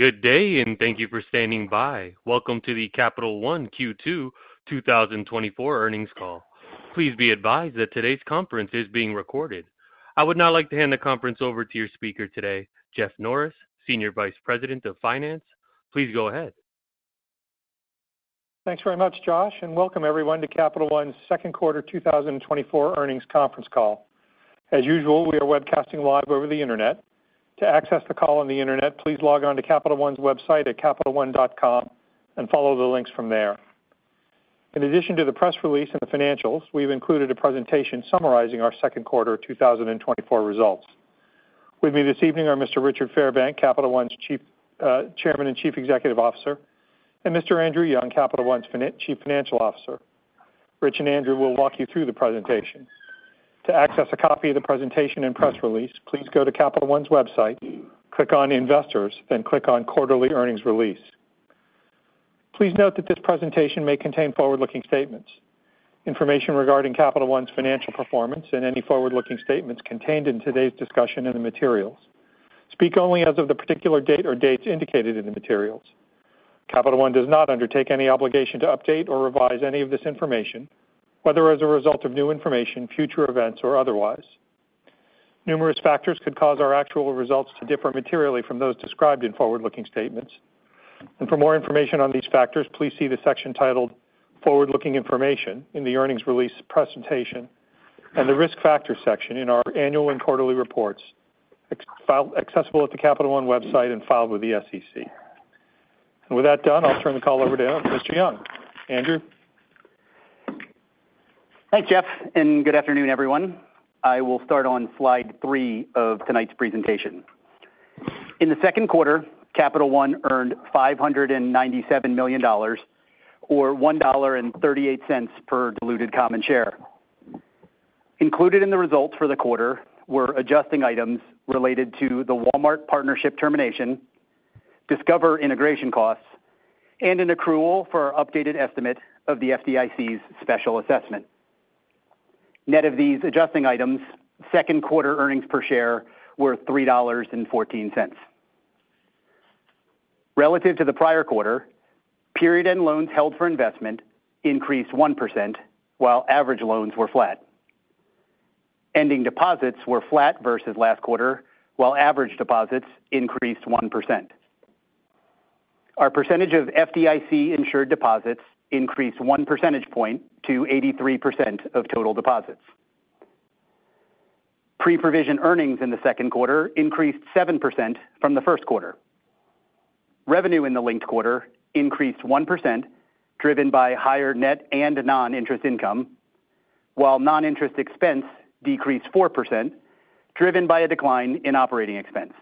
Good day, and thank you for standing by. Welcome to the Capital One Q2 2024 earnings call. Please be advised that today's conference is being recorded. I would now like to hand the conference over to your speaker today, Jeff Norris, Senior Vice President of Finance. Please go ahead. Thanks very much, Josh, and welcome everyone to Capital One's second quarter 2024 earnings conference call. As usual, we are webcasting live over the Internet. To access the call on the Internet, please log on to Capital One's website at capitalone.com and follow the links from there. In addition to the press release and the financials, we've included a presentation summarizing our second quarter 2024 results. With me this evening are Mr. Richard Fairbank, Capital One's Chairman and Chief Executive Officer, and Mr. Andrew Young, Capital One's Chief Financial Officer. Rich and Andrew will walk you through the presentation. To access a copy of the presentation and press release, please go to Capital One's website, click on Investors, then click on quarterly earnings release. Please note that this presentation may contain forward-looking statements. Information regarding Capital One's financial performance and any forward-looking statements contained in today's discussion and the materials speak only as of the particular date or dates indicated in the materials. Capital One does not undertake any obligation to update or revise any of this information, whether as a result of new information, future events, or otherwise. Numerous factors could cause our actual results to differ materially from those described in forward-looking statements. For more information on these factors, please see the section titled Forward-Looking Information in the earnings release presentation and the Risk Factors section in our annual and quarterly reports, accessible at the Capital One website and filed with the SEC. With that done, I'll turn the call over to Mr. Young. Andrew? Thanks, Jeff, and good afternoon, everyone. I will start on slide 3 of tonight's presentation. In the second quarter, Capital One earned $597 million or $1.38 per diluted common share. Included in the results for the quarter were adjusting items related to the Walmart partnership termination, Discover integration costs, and an accrual for our updated estimate of the FDIC's special assessment. Net of these adjusting items, second quarter earnings per share were $3.14. Relative to the prior quarter, period-end loans held for investment increased 1%, while average loans were flat. Ending deposits were flat versus last quarter, while average deposits increased 1%. Our percentage of FDIC-insured deposits increased one percentage point to 83% of total deposits. Pre-provision earnings in the second quarter increased 7% from the first quarter. Revenue in the linked quarter increased 1%, driven by higher net and non-interest income, while non-interest expense decreased 4%, driven by a decline in operating expense.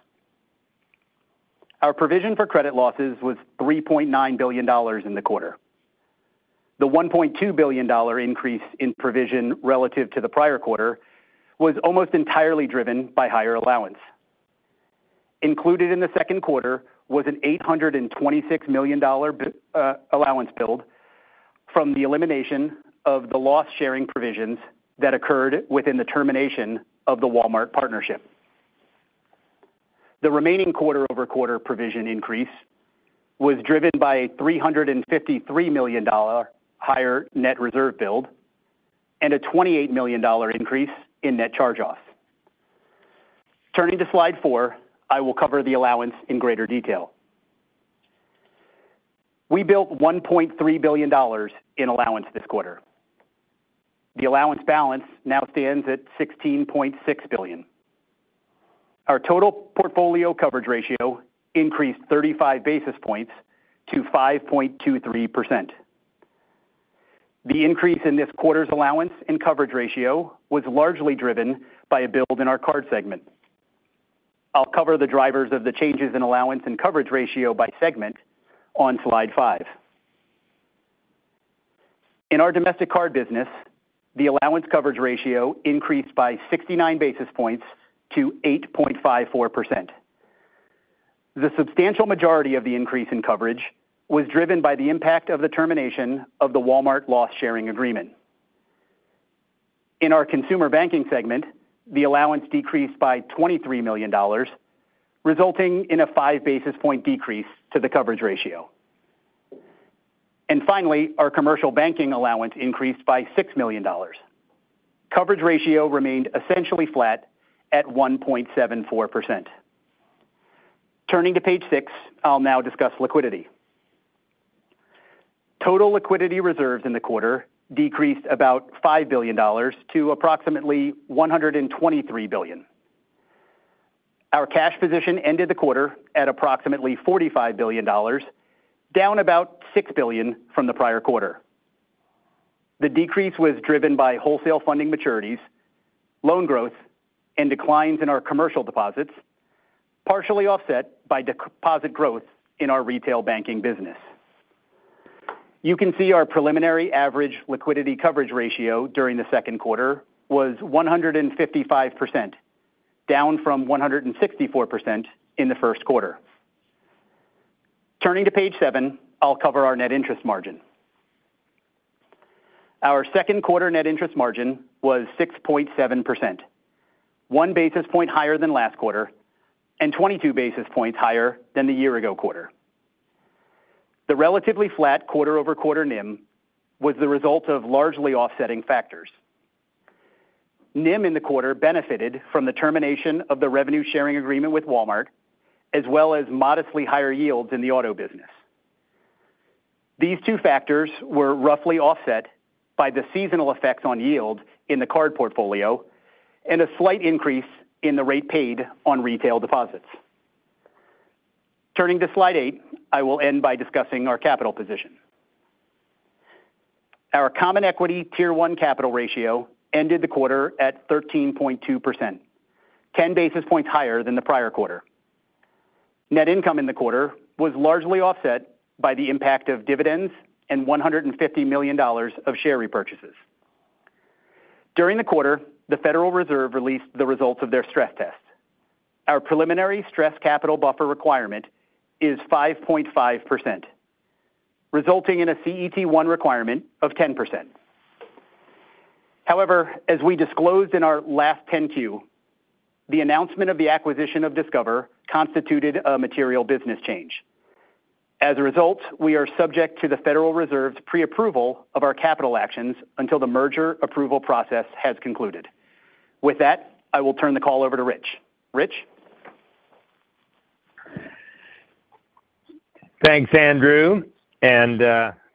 Our provision for credit losses was $3.9 billion in the quarter. The $1.2 billion increase in provision relative to the prior quarter was almost entirely driven by higher allowance. Included in the second quarter was an $826 million allowance build from the elimination of the loss sharing provisions that occurred within the termination of the Walmart partnership. The remaining quarter-over-quarter provision increase was driven by $353 million higher net reserve build and a $28 million increase in net charge-offs. Turning to Slide 4, I will cover the allowance in greater detail. We built $1.3 billion in allowance this quarter. The allowance balance now stands at $16.6 billion. Our total portfolio coverage ratio increased 35 basis points to 5.23%. The increase in this quarter's allowance and coverage ratio was largely driven by a build in our card segment. I'll cover the drivers of the changes in allowance and coverage ratio by segment on slide five. In our domestic card business, the allowance coverage ratio increased by 69 basis points to 8.54%. The substantial majority of the increase in coverage was driven by the impact of the termination of the Walmart loss sharing agreement. In our consumer banking segment, the allowance decreased by $23 million, resulting in a 5 basis point decrease to the coverage ratio. Finally, our commercial banking allowance increased by $6 million. Coverage ratio remained essentially flat at 1.74%. Turning to page 6, I'll now discuss liquidity. Total liquidity reserves in the quarter decreased about $5 billion to approximately $123 billion. Our cash position ended the quarter at approximately $45 billion, down about $6 billion from the prior quarter. The decrease was driven by wholesale funding maturities, loan growth, and declines in our commercial deposits, partially offset by deposit growth in our retail banking business. You can see our preliminary average liquidity coverage ratio during the second quarter was 155%, down from 164% in the first quarter. Turning to page 7, I'll cover our net interest margin. Our second quarter net interest margin was 6.7%, 1 basis point higher than last quarter and 22 basis points higher than the year ago quarter. The relatively flat quarter-over-quarter NIM was the result of largely offsetting factors. NIM in the quarter benefited from the termination of the revenue sharing agreement with Walmart, as well as modestly higher yields in the auto business. These two factors were roughly offset by the seasonal effects on yield in the card portfolio and a slight increase in the rate paid on retail deposits. Turning to Slide 8, I will end by discussing our capital position. Our Common Equity Tier 1 capital ratio ended the quarter at 13.2%, 10 basis points higher than the prior quarter. Net income in the quarter was largely offset by the impact of dividends and $150 million of share repurchases. During the quarter, the Federal Reserve released the results of their stress test. Our preliminary stress capital buffer requirement is 5.5%, resulting in a CET1 requirement of 10%. However, as we disclosed in our last 10-Q, the announcement of the acquisition of Discover constituted a material business change. As a result, we are subject to the Federal Reserve's pre-approval of our capital actions until the merger approval process has concluded. With that, I will turn the call over to Rich. Rich? Thanks, Andrew, and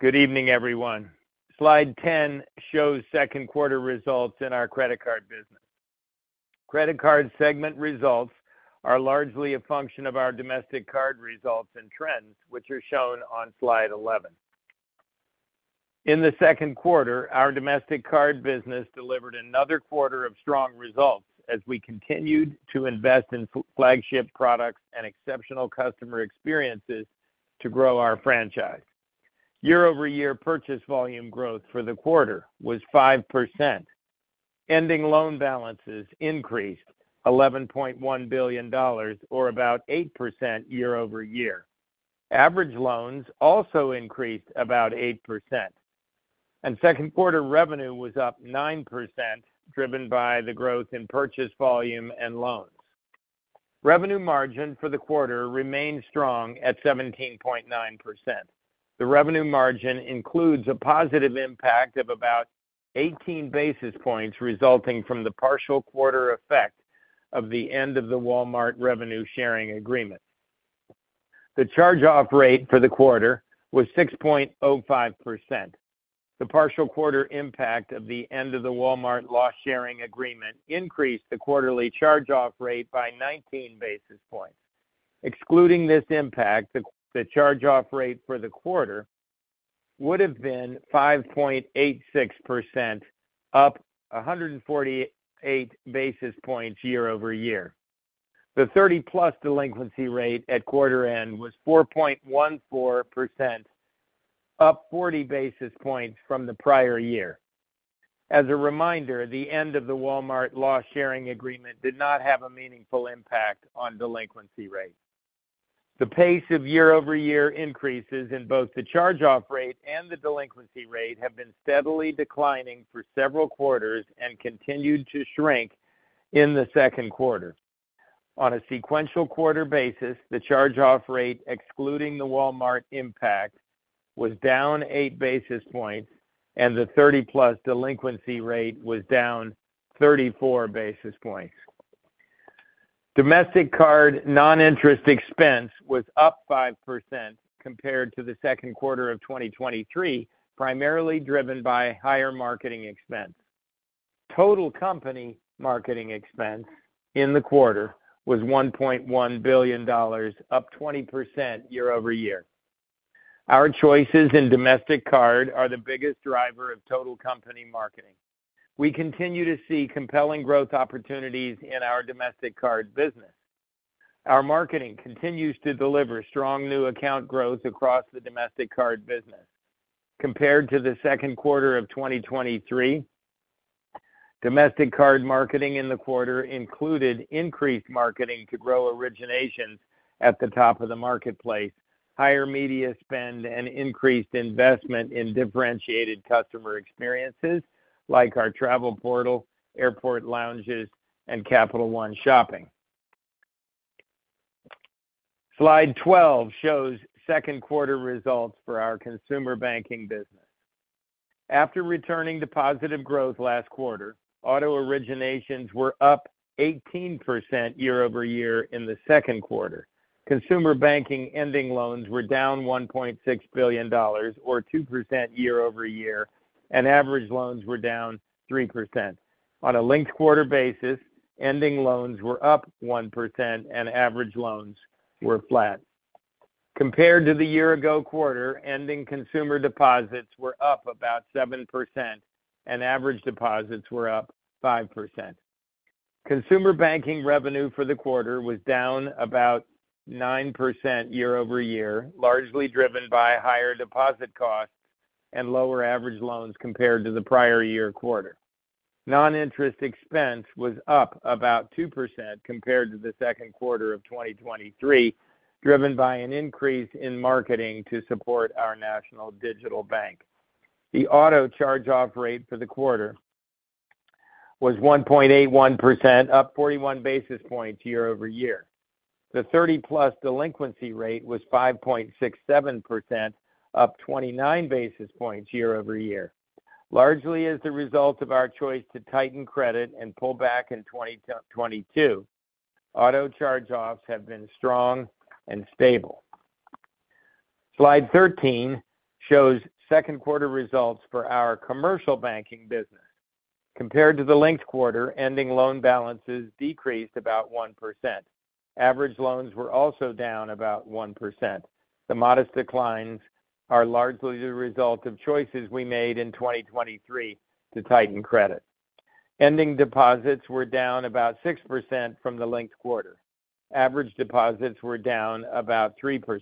good evening, everyone. Slide 10 shows second quarter results in our credit card business. Credit card segment results are largely a function of our domestic card results and trends, which are shown on slide 11. In the second quarter, our domestic card business delivered another quarter of strong results as we continued to invest in flagship products and exceptional customer experiences to grow our franchise. Year-over-year purchase volume growth for the quarter was 5%. Ending loan balances increased $11.1 billion, or about 8% year-over-year. Average loans also increased about 8%, and second quarter revenue was up 9%, driven by the growth in purchase volume and loans. Revenue margin for the quarter remained strong at 17.9%. The revenue margin includes a positive impact of about 18 basis points, resulting from the partial quarter effect of the end of the Walmart revenue sharing agreement. The charge-off rate for the quarter was 6.05%. The partial quarter impact of the end of the Walmart loss sharing agreement increased the quarterly charge-off rate by 19 basis points. Excluding this impact, the charge-off rate for the quarter would have been 5.86%, up 148 basis points year-over-year. The 30+ delinquency rate at quarter end was 4.14%, up 40 basis points from the prior year. As a reminder, the end of the Walmart loss sharing agreement did not have a meaningful impact on delinquency rates. The pace of year-over-year increases in both the charge-off rate and the delinquency rate have been steadily declining for several quarters and continued to shrink in the second quarter. On a sequential quarter basis, the charge-off rate, excluding the Walmart impact, was down 8 basis points, and the 30+ delinquency rate was down 34 basis points. Domestic card non-interest expense was up 5% compared to the second quarter of 2023, primarily driven by higher marketing expense. Total company marketing expense in the quarter was $1.1 billion, up 20% year-over-year. Our choices in domestic card are the biggest driver of total company marketing. We continue to see compelling growth opportunities in our domestic card business. Our marketing continues to deliver strong new account growth across the domestic card business. Compared to the second quarter of 2023, domestic card marketing in the quarter included increased marketing to grow originations at the top of the marketplace, higher media spend, and increased investment in differentiated customer experiences, like our travel portal, airport lounges, and Capital One Shopping. Slide 12 shows second quarter results for our consumer banking business. After returning to positive growth last quarter, auto originations were up 18% year-over-year in the second quarter. Consumer banking ending loans were down $1.6 billion, or 2% year-over-year, and average loans were down 3%. On a linked quarter basis, ending loans were up 1% and average loans were flat. Compared to the year-ago quarter, ending consumer deposits were up about 7%, and average deposits were up 5%. Consumer banking revenue for the quarter was down about 9% year-over-year, largely driven by higher deposit costs and lower average loans compared to the prior year quarter. Non-interest expense was up about 2% compared to the second quarter of 2023, driven by an increase in marketing to support our national digital bank. The auto charge-off rate for the quarter was 1.81%, up 41 basis points year-over-year. The 30+ delinquency rate was 5.67%, up 29 basis points year-over-year, largely as a result of our choice to tighten credit and pull back in 2022. Auto charge-offs have been strong and stable. Slide 13 shows second quarter results for our commercial banking business. Compared to the linked quarter, ending loan balances decreased about 1%. Average loans were also down about 1%. The modest declines are largely the result of choices we made in 2023 to tighten credit. Ending deposits were down about 6% from the linked quarter. Average deposits were down about 3%.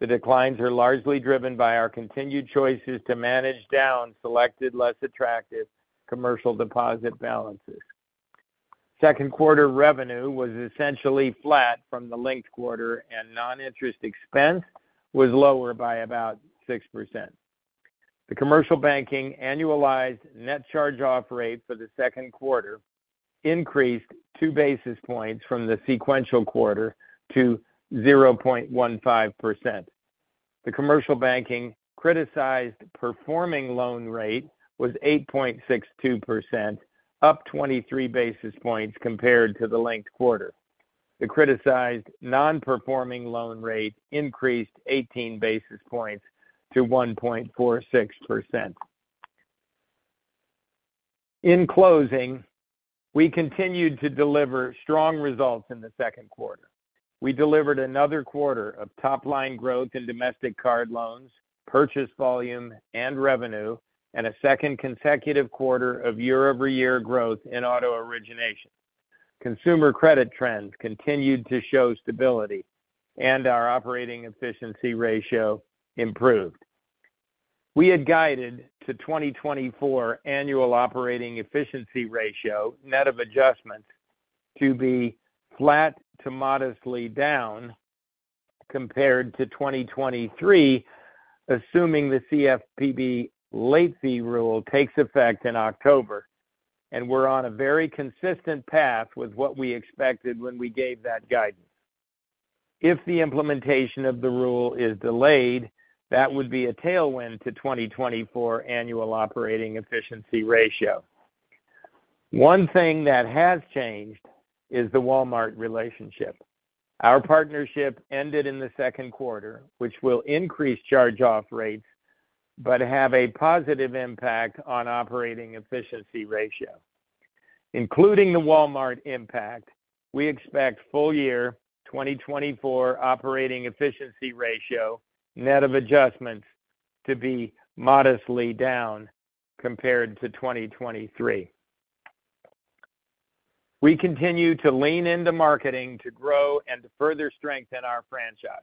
The declines are largely driven by our continued choices to manage down selected, less attractive commercial deposit balances. Second quarter revenue was essentially flat from the linked quarter, and non-interest expense was lower by about 6%. The commercial banking annualized net charge-off rate for the second quarter increased 2 basis points from the sequential quarter to 0.15%. The commercial banking criticized performing loan rate was 8.62%, up 23 basis points compared to the linked quarter. The criticized non-performing loan rate increased 18 basis points to 1.46%. In closing, we continued to deliver strong results in the second quarter. We delivered another quarter of top-line growth in domestic card loans, purchase volume, and revenue, and a second consecutive quarter of year-over-year growth in auto origination. Consumer credit trends continued to show stability, and our operating efficiency ratio improved. We had guided to 2024 annual operating efficiency ratio, net of adjustments, to be flat to modestly down compared to 2023, assuming the CFPB late fee rule takes effect in October, and we're on a very consistent path with what we expected when we gave that guidance. If the implementation of the rule is delayed, that would be a tailwind to 2024 annual operating efficiency ratio. One thing that has changed is the Walmart relationship. Our partnership ended in the second quarter, which will increase charge-off rates, but have a positive impact on operating efficiency ratio. Including the Walmart impact, we expect full year 2024 operating efficiency ratio, net of adjustments, to be modestly down compared to 2023. We continue to lean into marketing to grow and to further strengthen our franchise.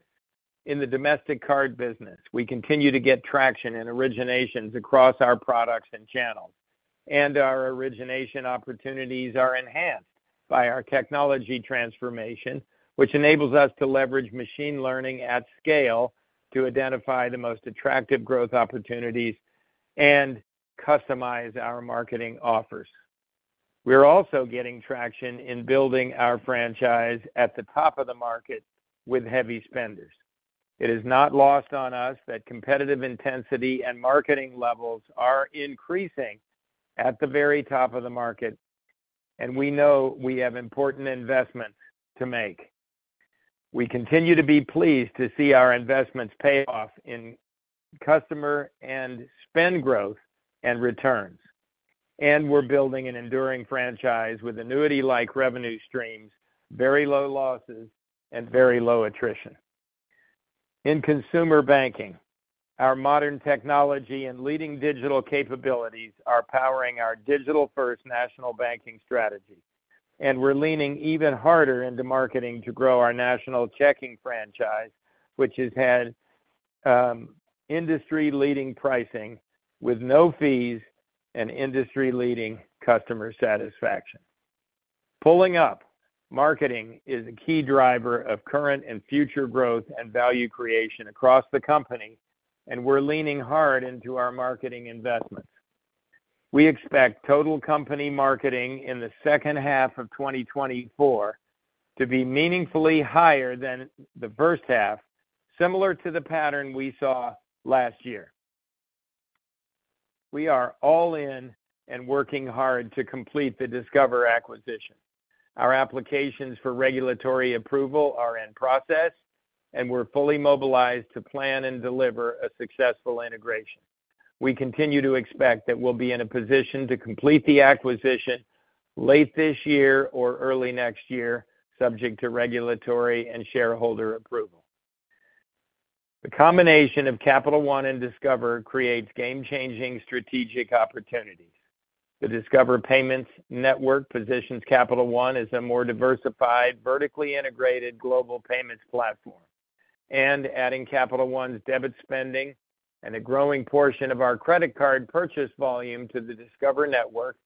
In the domestic card business, we continue to get traction in originations across our products and channels, and our origination opportunities are enhanced by our technology transformation, which enables us to leverage machine learning at scale to identify the most attractive growth opportunities and customize our marketing offers. We're also getting traction in building our franchise at the top of the market with heavy spenders. It is not lost on us that competitive intensity and marketing levels are increasing at the very top of the market, and we know we have important investments to make. We continue to be pleased to see our investments pay off in customer and spend growth and returns. We're building an enduring franchise with annuity-like revenue streams, very low losses, and very low attrition. In consumer banking, our modern technology and leading digital capabilities are powering our digital-first national banking strategy, and we're leaning even harder into marketing to grow our national checking franchise, which has had industry-leading pricing with no fees and industry-leading customer satisfaction. Pulling up, marketing is a key driver of current and future growth and value creation across the company, and we're leaning hard into our marketing investments. We expect total company marketing in the second half of 2024 to be meaningfully higher than the first half, similar to the pattern we saw last year. We are all in and working hard to complete the Discover acquisition. Our applications for regulatory approval are in process, and we're fully mobilized to plan and deliver a successful integration. We continue to expect that we'll be in a position to complete the acquisition late this year or early next year, subject to regulatory and shareholder approval. The combination of Capital One and Discover creates game-changing strategic opportunities. The Discover payments network positions Capital One as a more diversified, vertically integrated global payments platform, and adding Capital One's debit spending and a growing portion of our credit card purchase volume to the Discover network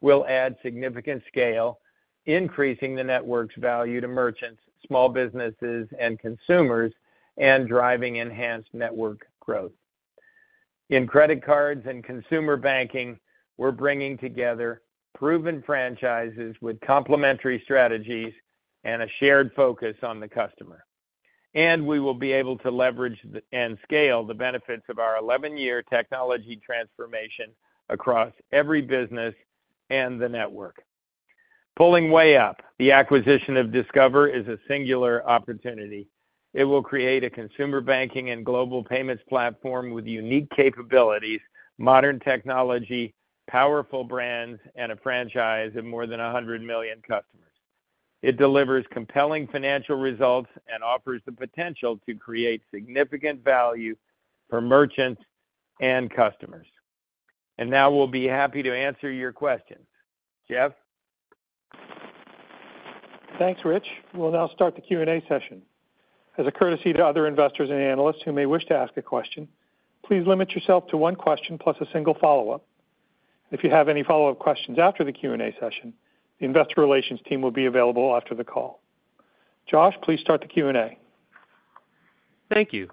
will add significant scale, increasing the network's value to merchants, small businesses, and consumers, and driving enhanced network growth. In credit cards and consumer banking, we're bringing together proven franchises with complementary strategies and a shared focus on the customer. We will be able to leverage and scale the benefits of our 11-year technology transformation across every business and the network. Pulling way up, the acquisition of Discover is a singular opportunity. It will create a consumer banking and global payments platform with unique capabilities, modern technology, powerful brands, and a franchise of more than 100 million customers. It delivers compelling financial results and offers the potential to create significant value for merchants and customers. Now we'll be happy to answer your questions. Jeff? Thanks, Rich. We'll now start the Q&A session. As a courtesy to other investors and analysts who may wish to ask a question, please limit yourself to one question plus a single follow-up. If you have any follow-up questions after the Q&A session, the investor relations team will be available after the call. Josh, please start the Q&A. Thank you.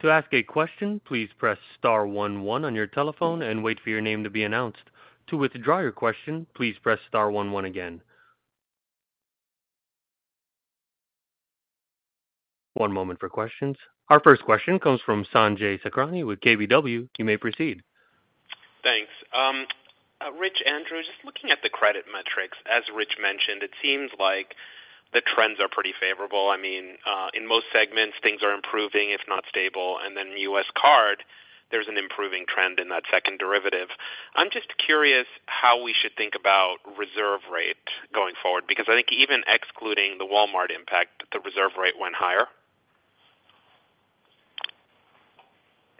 To ask a question, please press star one one on your telephone and wait for your name to be announced. To withdraw your question, please press star one one again. One moment for questions. Our first question comes from Sanjay Sakhrani with KBW. You may proceed. Thanks. Rich, Andrew, just looking at the credit metrics, as Rich mentioned, it seems like the trends are pretty favorable. I mean, in most segments, things are improving, if not stable, and then US card, there's an improving trend in that second derivative. I'm just curious how we should think about reserve rate going forward, because I think even excluding the Walmart impact, the reserve rate went higher.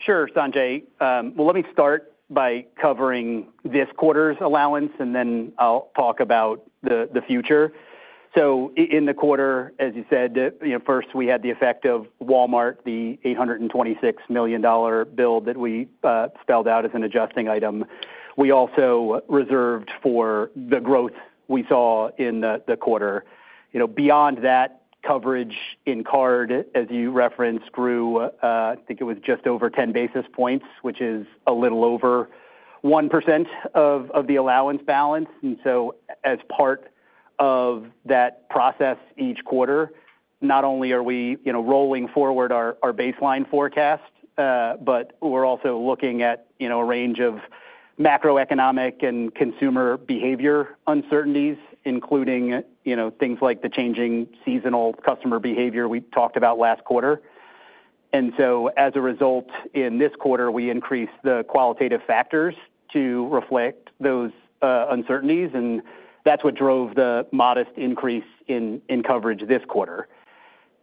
Sure, Sanjay. Well, let me start by covering this quarter's allowance, and then I'll talk about the future. So in the quarter, as you said, you know, first, we had the effect of Walmart, the $826 million bill that we spelled out as an adjusting item. We also reserved for the growth we saw in the quarter. You know, beyond that, coverage in card, as you referenced, grew, I think it was just over 10 basis points, which is a little over 1% of the allowance balance. And so as part of that process each quarter, not only are we, you know, rolling forward our baseline forecast, but we're also looking at, you know, a range of macroeconomic and consumer behavior uncertainties, including, you know, things like the changing seasonal customer behavior we talked about last quarter. As a result, in this quarter, we increased the qualitative factors to reflect those uncertainties, and that's what drove the modest increase in coverage this quarter.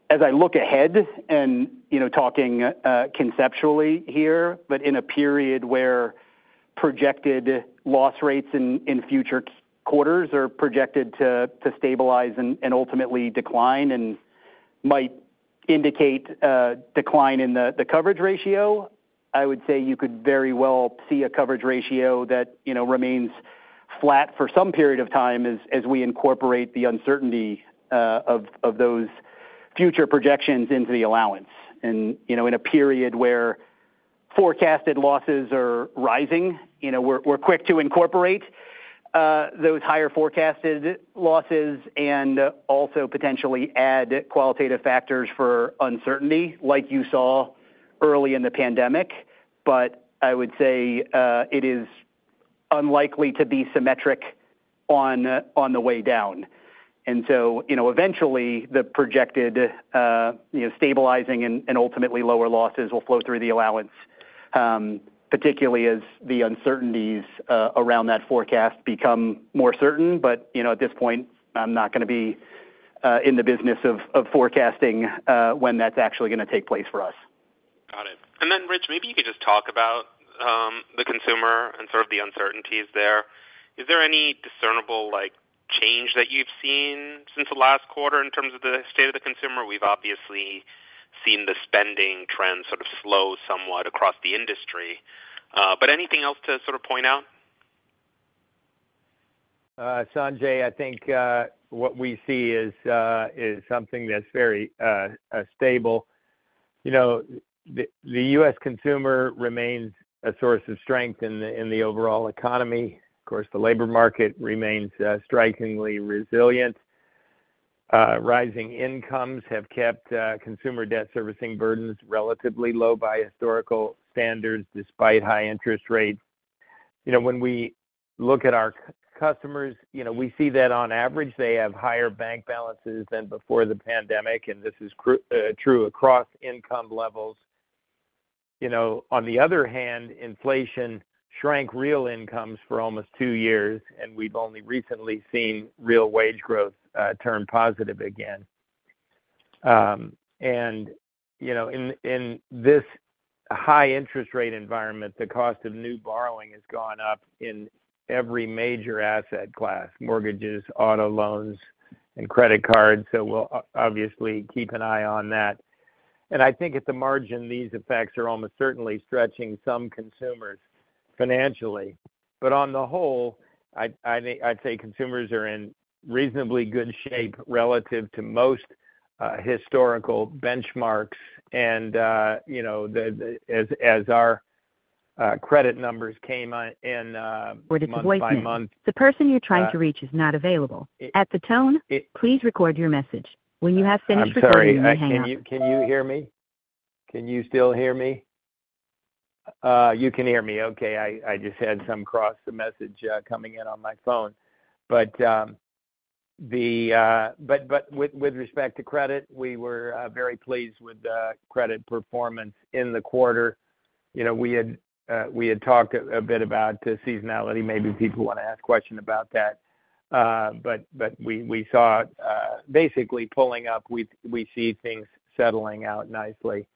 As I look ahead, and, you know, talking conceptually here, but in a period where projected loss rates in future quarters are projected to stabilize and ultimately decline and might indicate a decline in the coverage ratio, I would say you could very well see a coverage ratio that, you know, remains flat for some period of time as we incorporate the uncertainty of those future projections into the allowance. You know, in a period where forecasted losses are rising, you know, we're quick to incorporate those higher forecasted losses and also potentially add qualitative factors for uncertainty, like you saw early in the pandemic. But I would say, it is unlikely to be symmetric on the way down. And so, you know, eventually, the projected, you know, stabilizing and ultimately lower losses will flow through the allowance, particularly as the uncertainties around that forecast become more certain. But, you know, at this point, I'm not going to be in the business of forecasting when that's actually going to take place for us. Got it. And then, Rich, maybe you could just talk about the consumer and sort of the uncertainties there. Is there any discernible, like, change that you've seen since the last quarter in terms of the state of the consumer? We've obviously seen the spending trends sort of slow somewhat across the industry. But anything else to sort of point out? Sanjay, I think what we see is something that's very stable. You know, the U.S. consumer remains a source of strength in the overall economy. Of course, the labor market remains strikingly resilient. Rising incomes have kept consumer debt servicing burdens relatively low by historical standards, despite high interest rates. You know, when we look at our customers, you know, we see that on average, they have higher bank balances than before the pandemic, and this is true across income levels. You know, on the other hand, inflation shrank real incomes for almost two years, and we've only recently seen real wage growth turn positive again. And, you know, in this-... A high interest rate environment, the cost of new borrowing has gone up in every major asset class, mortgages, auto loans, and credit cards. So we'll obviously keep an eye on that. And I think at the margin, these effects are almost certainly stretching some consumers financially. But on the whole, I think I'd say consumers are in reasonably good shape relative to most historical benchmarks. And you know, as our credit numbers came out in month by month. Voice mail. The person you're trying to reach is not available. At the tone, please record your message. When you have finished recording, hang up. I'm sorry. Can you, can you hear me? Can you still hear me? You can hear me okay. I, I just had some text message coming in on my phone. But with respect to credit, we were very pleased with the credit performance in the quarter. You know, we had talked a bit about the seasonality. Maybe people want to ask a question about that. But we saw it basically pulling up. We see things settling out nicely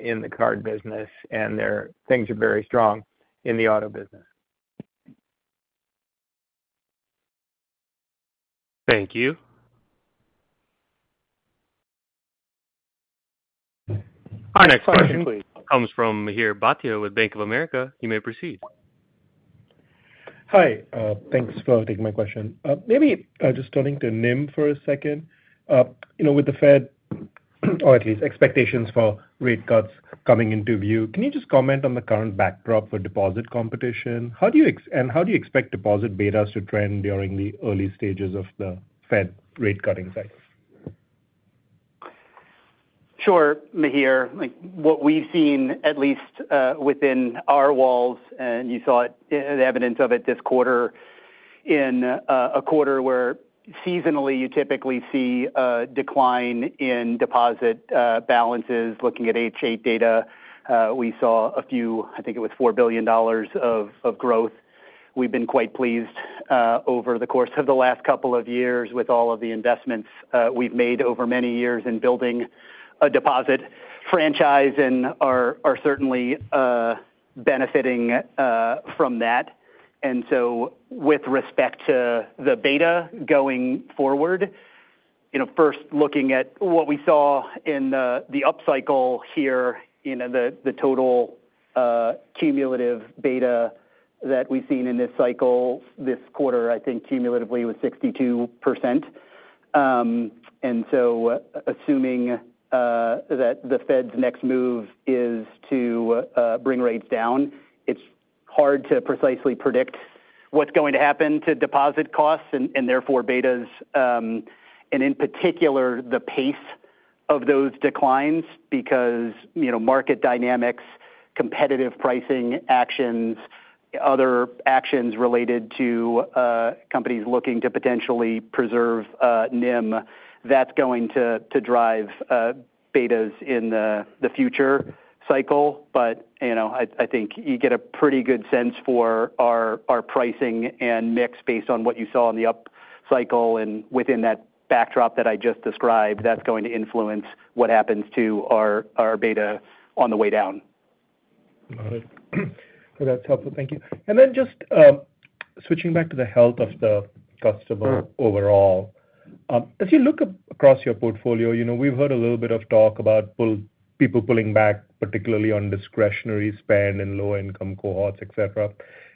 in the card business, and there, things are very strong in the auto business. Thank you. Our next question comes from Mihir Bhatia with Bank of America. You may proceed. Hi, thanks for taking my question. Maybe, just turning to NIM for a second. You know, with the Fed, or at least expectations for rate cuts coming into view, can you just comment on the current backdrop for deposit competition? And how do you expect deposit betas to trend during the early stages of the Fed rate cutting cycle? Sure, Mihir. Like, what we've seen, at least, within our walls, and you saw it, the evidence of it this quarter, in a quarter where seasonally, you typically see a decline in deposit balances. Looking at H.8 data, we saw a few, I think it was $4 billion of growth. We've been quite pleased, over the course of the last couple of years with all of the investments we've made over many years in building a deposit franchise and are certainly benefiting from that. And so with respect to the beta going forward, you know, first looking at what we saw in the upcycle here, you know, the total cumulative beta that we've seen in this cycle this quarter, I think cumulatively was 62%. And so assuming that the Fed's next move is to bring rates down, it's hard to precisely predict what's going to happen to deposit costs and therefore, betas. And in particular, the pace of those declines, because, you know, market dynamics, competitive pricing actions, other actions related to companies looking to potentially preserve NIM, that's going to drive betas in the future cycle. But, you know, I think you get a pretty good sense for our pricing and mix based on what you saw in the upcycle and within that backdrop that I just described, that's going to influence what happens to our beta on the way down. Got it. Well, that's helpful. Thank you. And then just, switching back to the health of the customer- Sure... overall. If you look across your portfolio, you know, we've heard a little bit of talk about people pulling back, particularly on discretionary spend and low-income cohorts, et cetera.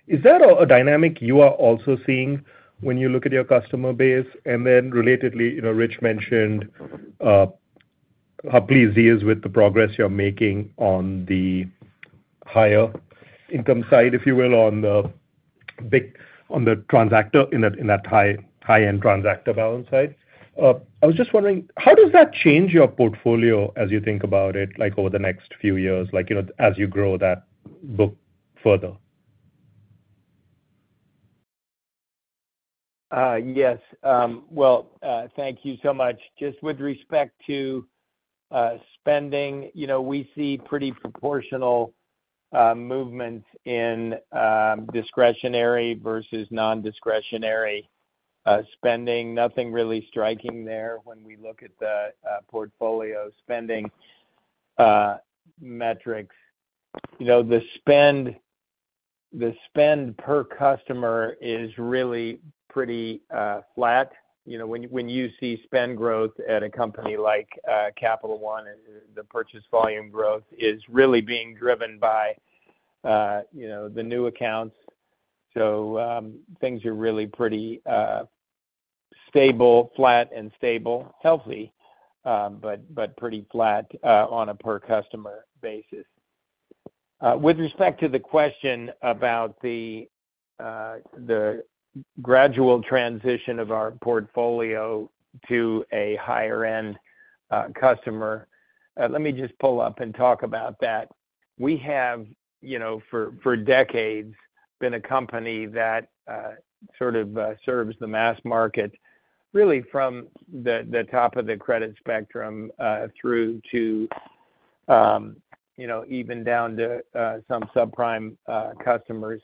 Is that a dynamic you are also seeing when you look at your customer base? And then relatedly, you know, Rich mentioned how pleased he is with the progress you're making on the higher income side, if you will, on the big, on the transactor, in that, in that high, high-end transactor balance side. I was just wondering, how does that change your portfolio as you think about it, like, over the next few years, like, you know, as you grow that book further? Yes. Well, thank you so much. Just with respect to spending, you know, we see pretty proportional movement in discretionary versus non-discretionary spending. Nothing really striking there when we look at the portfolio spending metrics. You know, the spend per customer is really pretty flat. You know, when you see spend growth at a company like Capital One, the purchase volume growth is really being driven by you know, the new accounts. So, things are really pretty stable, flat and stable, healthy, but pretty flat on a per customer basis. With respect to the question about the gradual transition of our portfolio to a higher-end customer, let me just pull up and talk about that. We have, you know, for decades, been a company that sort of serves the mass market, really from the top of the credit spectrum through to, you know, even down to some subprime customers.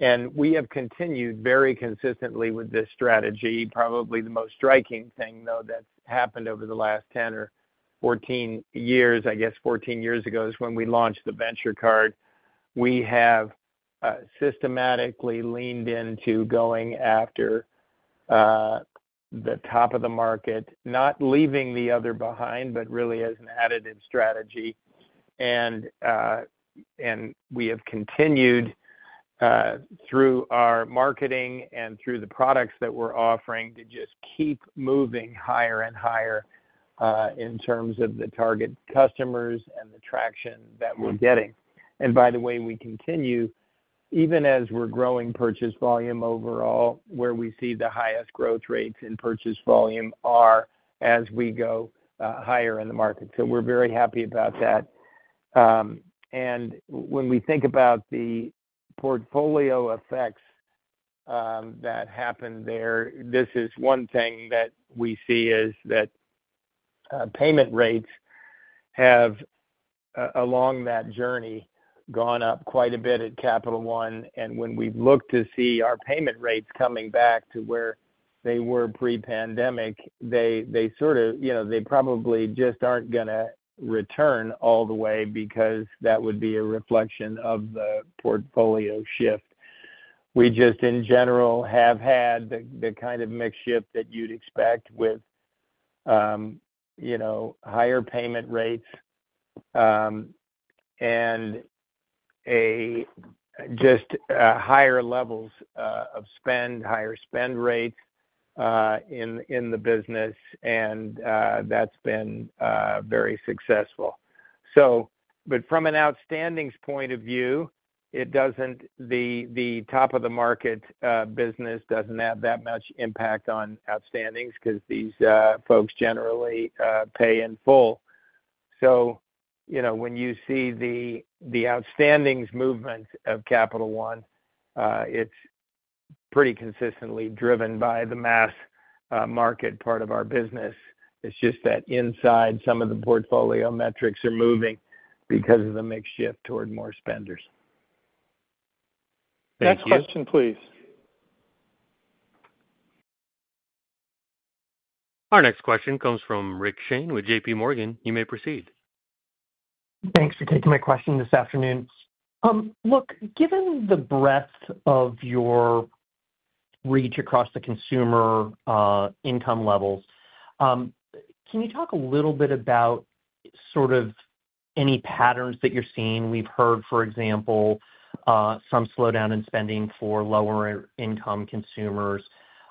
And we have continued very consistently with this strategy. Probably the most striking thing, though, that's happened over the last 10 or 14 years, I guess 14 years ago, is when we launched the Venture card. We have systematically leaned into going after the top of the market, not leaving the other behind, but really as an additive strategy. And we have continued through our marketing and through the products that we're offering, to just keep moving higher and higher in terms of the target customers and the traction that we're getting. And by the way, we continue, even as we're growing purchase volume overall, where we see the highest growth rates in purchase volume are as we go higher in the market. So we're very happy about that. And when we think about the portfolio effects that happened there, this is one thing that we see, is that payment rates have, along that journey, gone up quite a bit at Capital One. And when we've looked to see our payment rates coming back to where they were pre-pandemic, they, they sort of, you know, they probably just aren't gonna return all the way because that would be a reflection of the portfolio shift. We just, in general, have had the, the kind of mix shift that you'd expect with, you know, higher payment rates, and a just, higher levels, of spend, higher spend rates, in, in the business, and, that's been, very successful. So but from an outstandings point of view, it doesn't, the, the top of the market, business doesn't have that much impact on outstandings, 'cause these, folks generally, pay in full. So, you know, when you see the, the outstandings movement of Capital One, it's pretty consistently driven by the mass, market part of our business. It's just that inside, some of the portfolio metrics are moving because of the mix shift toward more spenders. Thank you. Next question, please. Our next question comes from Rick Shane with J.P. Morgan. You may proceed. Thanks for taking my question this afternoon. Look, given the breadth of your reach across the consumer, income levels, can you talk a little bit about sort of any patterns that you're seeing? We've heard, for example, some slowdown in spending for lower-income consumers.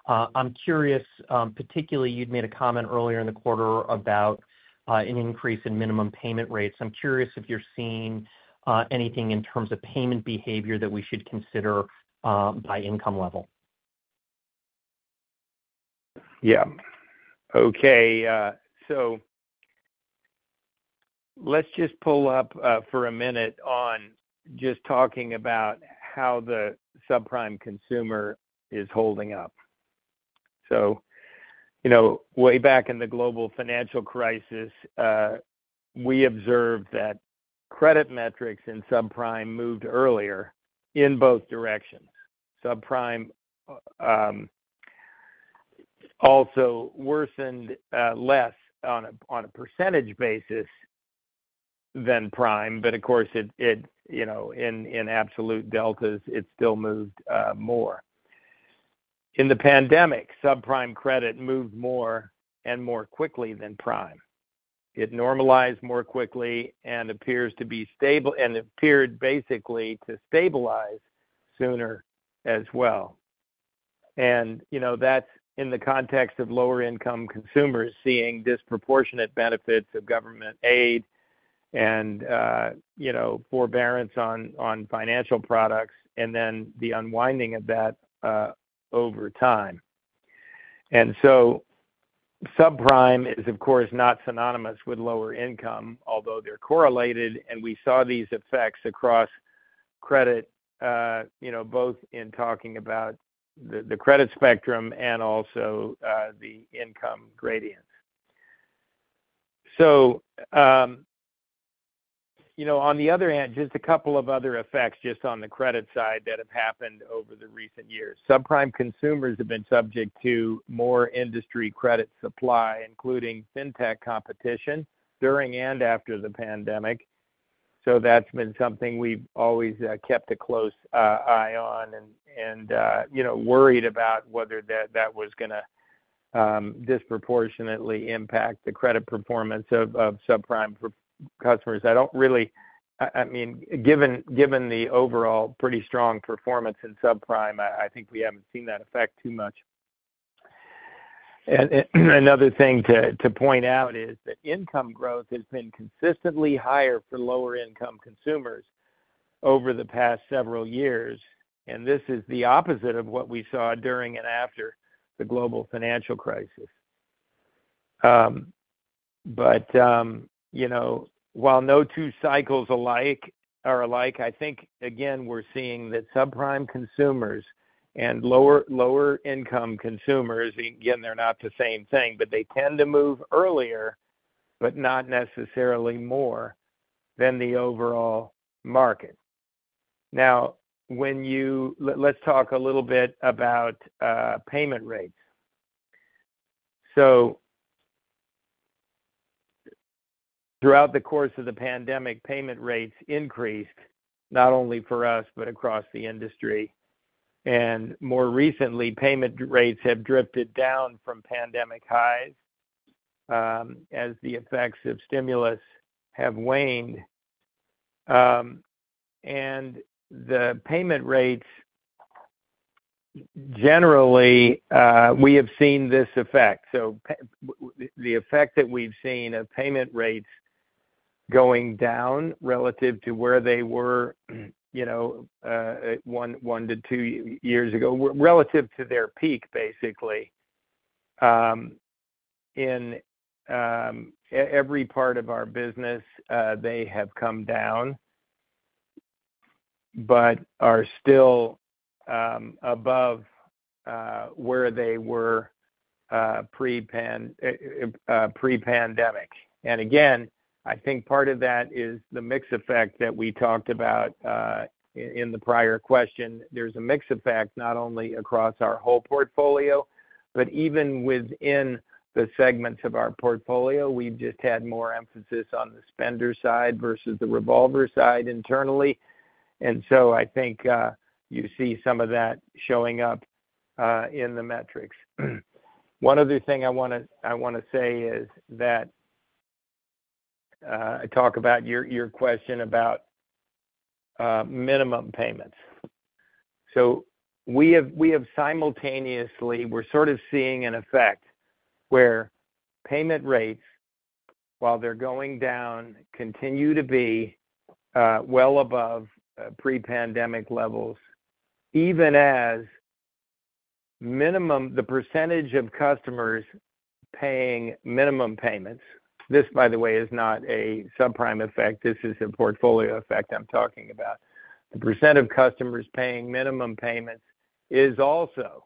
I'm curious, particularly, you'd made a comment earlier in the quarter about, an increase in minimum payment rates. I'm curious if you're seeing, anything in terms of payment behavior that we should consider, by income level? Yeah. Okay, so let's just pull up, for a minute on just talking about how the subprime consumer is holding up. So, you know, way back in the global financial crisis, we observed that credit metrics in subprime moved earlier in both directions. Subprime also worsened less on a percentage basis than prime, but of course, it you know, in absolute deltas, it still moved more. In the pandemic, subprime credit moved more and more quickly than prime. It normalized more quickly and appears to be stable and appeared basically to stabilize sooner as well. And, you know, that's in the context of lower-income consumers seeing disproportionate benefits of government aid and, you know, forbearance on financial products, and then the unwinding of that, over time. And so subprime is, of course, not synonymous with lower income, although they're correlated, and we saw these effects across credit, you know, both in talking about the credit spectrum and also the income gradient. So, you know, on the other hand, just a couple of other effects, just on the credit side, that have happened over the recent years. Subprime consumers have been subject to more industry credit supply, including fintech competition, during and after the pandemic. So that's been something we've always kept a close eye on and, you know, worried about whether that was gonna disproportionately impact the credit performance of subprime customers. I don't really... I mean, given the overall pretty strong performance in subprime, I think we haven't seen that effect too much. Another thing to point out is that income growth has been consistently higher for lower-income consumers over the past several years, and this is the opposite of what we saw during and after the global financial crisis. But you know, while no two cycles alike are alike, I think again, we're seeing that subprime consumers and lower, lower-income consumers again, they're not the same thing, but they tend to move earlier but not necessarily more than the overall market. Now, let's talk a little bit about payment rates. So, throughout the course of the pandemic, payment rates increased, not only for us, but across the industry. And more recently, payment rates have drifted down from pandemic highs, as the effects of stimulus have waned. And the payment rates, generally, we have seen this effect. So, the effect that we've seen of payment rates going down relative to where they were, you know, one to two years ago, relative to their peak, basically. In every part of our business, they have come down, but are still above where they were pre-pandemic. And again, I think part of that is the mix effect that we talked about in the prior question. There's a mix effect, not only across our whole portfolio, but even within the segments of our portfolio. We've just had more emphasis on the spender side versus the revolver side internally. And so I think you see some of that showing up in the metrics. One other thing I wanna say is that I talk about your question about minimum payments. So we have simultaneously, we're sort of seeing an effect where payment rates, while they're going down, continue to be well above pre-pandemic levels, even as minimum—the percentage of customers paying minimum payments. This, by the way, is not a subprime effect, this is a portfolio effect I'm talking about. The percent of customers paying minimum payments is also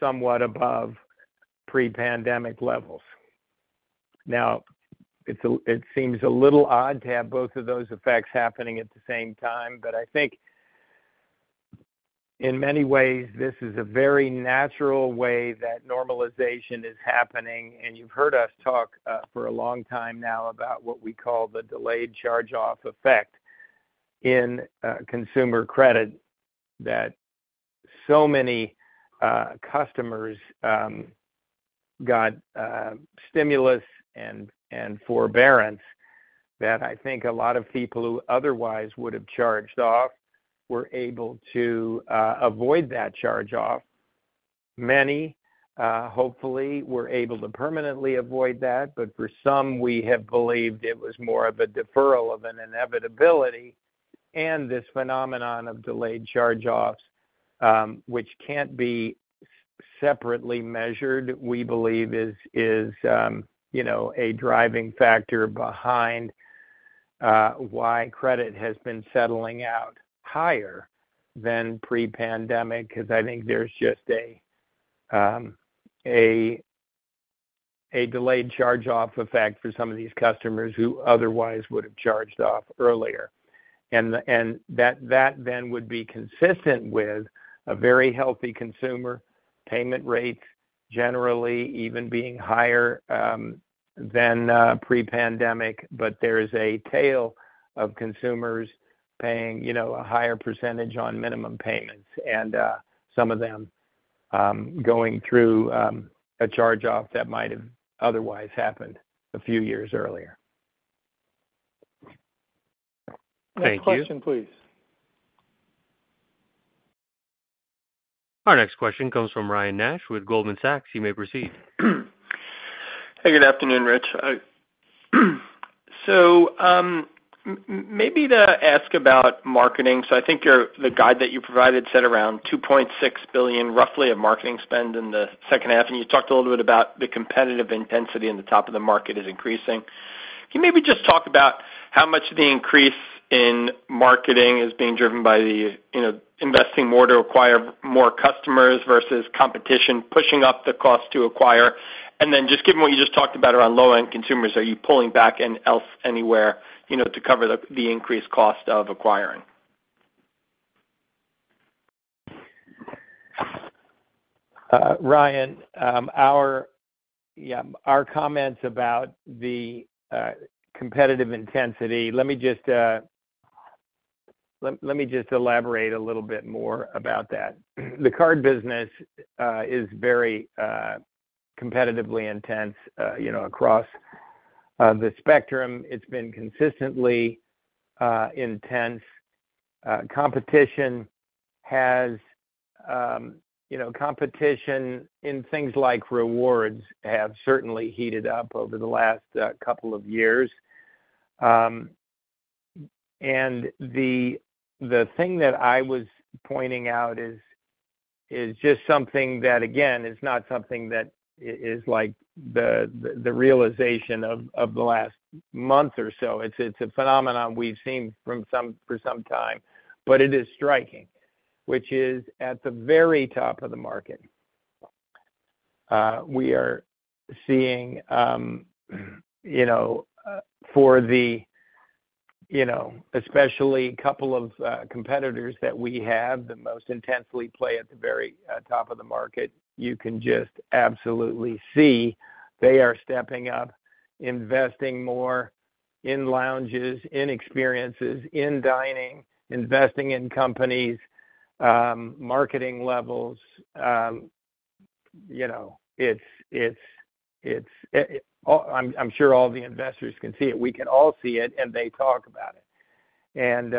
somewhat above pre-pandemic levels. Now, it seems a little odd to have both of those effects happening at the same time, but I think, in many ways, this is a very natural way that normalization is happening. And you've heard us talk for a long time now about what we call the delayed charge-off effect in consumer credit, that so many customers got stimulus and forbearance, that I think a lot of people who otherwise would have charged off were able to avoid that charge-off. Many hopefully were able to permanently avoid that, but for some, we have believed it was more of a deferral of an inevitability. And this phenomenon of delayed charge-offs which can't be separately measured, we believe is you know a driving factor behind why credit has been settling out higher than pre-pandemic. 'Cause I think there's just a delayed charge-off effect for some of these customers who otherwise would have charged off earlier. And that then would be consistent with a very healthy consumer payment rate, generally, even being higher than pre-pandemic. But there is a tail of consumers paying, you know, a higher percentage on minimum payments, and some of them going through a charge-off that might have otherwise happened a few years earlier. Thank you. Next question, please. Our next question comes from Ryan Nash with Goldman Sachs. You may proceed. Hey, good afternoon, Rich. Maybe to ask about marketing. So I think your guide that you provided said around $2.6 billion, roughly, of marketing spend in the second half, and you talked a little bit about the competitive intensity in the top of the market is increasing. Can you maybe just talk about how much the increase in marketing is being driven by the, you know, investing more to acquire more customers versus competition, pushing up the cost to acquire? And then just given what you just talked about around low-end consumers, are you pulling back elsewhere, anywhere, you know, to cover the increased cost of acquiring? Ryan, our, yeah, our comments about the competitive intensity, let me just elaborate a little bit more about that. The card business is very competitively intense, you know, across the spectrum. It's been consistently intense. Competition has, you know, competition in things like rewards, have certainly heated up over the last couple of years. And the thing that I was pointing out is just something that, again, is not something that is like the realization of the last month or so. It's a phenomenon we've seen for some time, but it is striking.... which is at the very top of the market. We are seeing, you know, for the, you know, especially couple of, competitors that we have, the most intensely play at the very, top of the market. You can just absolutely see they are stepping up, investing more in lounges, in experiences, in dining, investing in companies, marketing levels. You know, it's, it's, it's, I'm, I'm sure all the investors can see it. We can all see it, and they talk about it. And,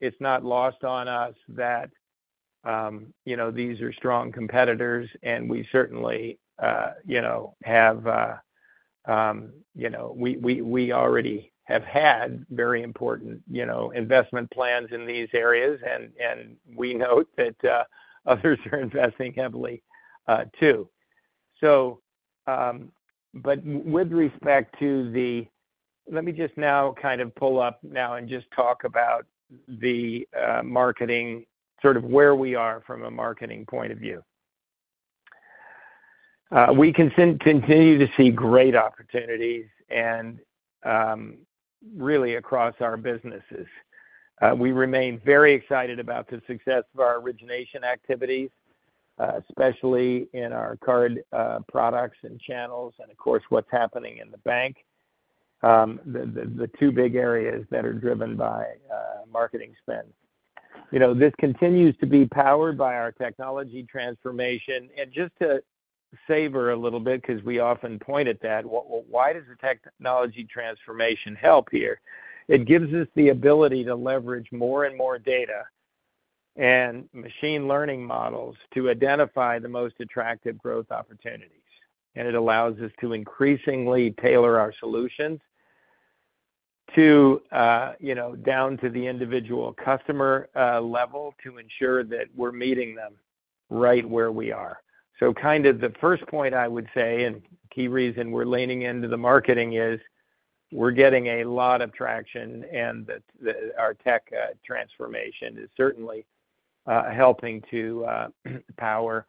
it's not lost on us that, you know, these are strong competitors, and we certainly, you know, have, you know, we, we, we already have had very important, you know, investment plans in these areas, and, and we note that, others are investing heavily, too. With respect to the, let me just kind of pull up and just talk about the marketing, sort of where we are from a marketing point of view. We continue to see great opportunities, and really across our businesses. We remain very excited about the success of our origination activities, especially in our card products and channels, and of course, what's happening in the bank. The two big areas that are driven by marketing spend. You know, this continues to be powered by our technology transformation. And just to savor a little bit, 'cause we often point at that, why does the technology transformation help here? It gives us the ability to leverage more and more data and machine learning models to identify the most attractive growth opportunities. It allows us to increasingly tailor our solutions to, you know, down to the individual customer level, to ensure that we're meeting them right where we are. So kind of the first point I would say, and key reason we're leaning into the marketing is, we're getting a lot of traction, and our tech transformation is certainly helping to power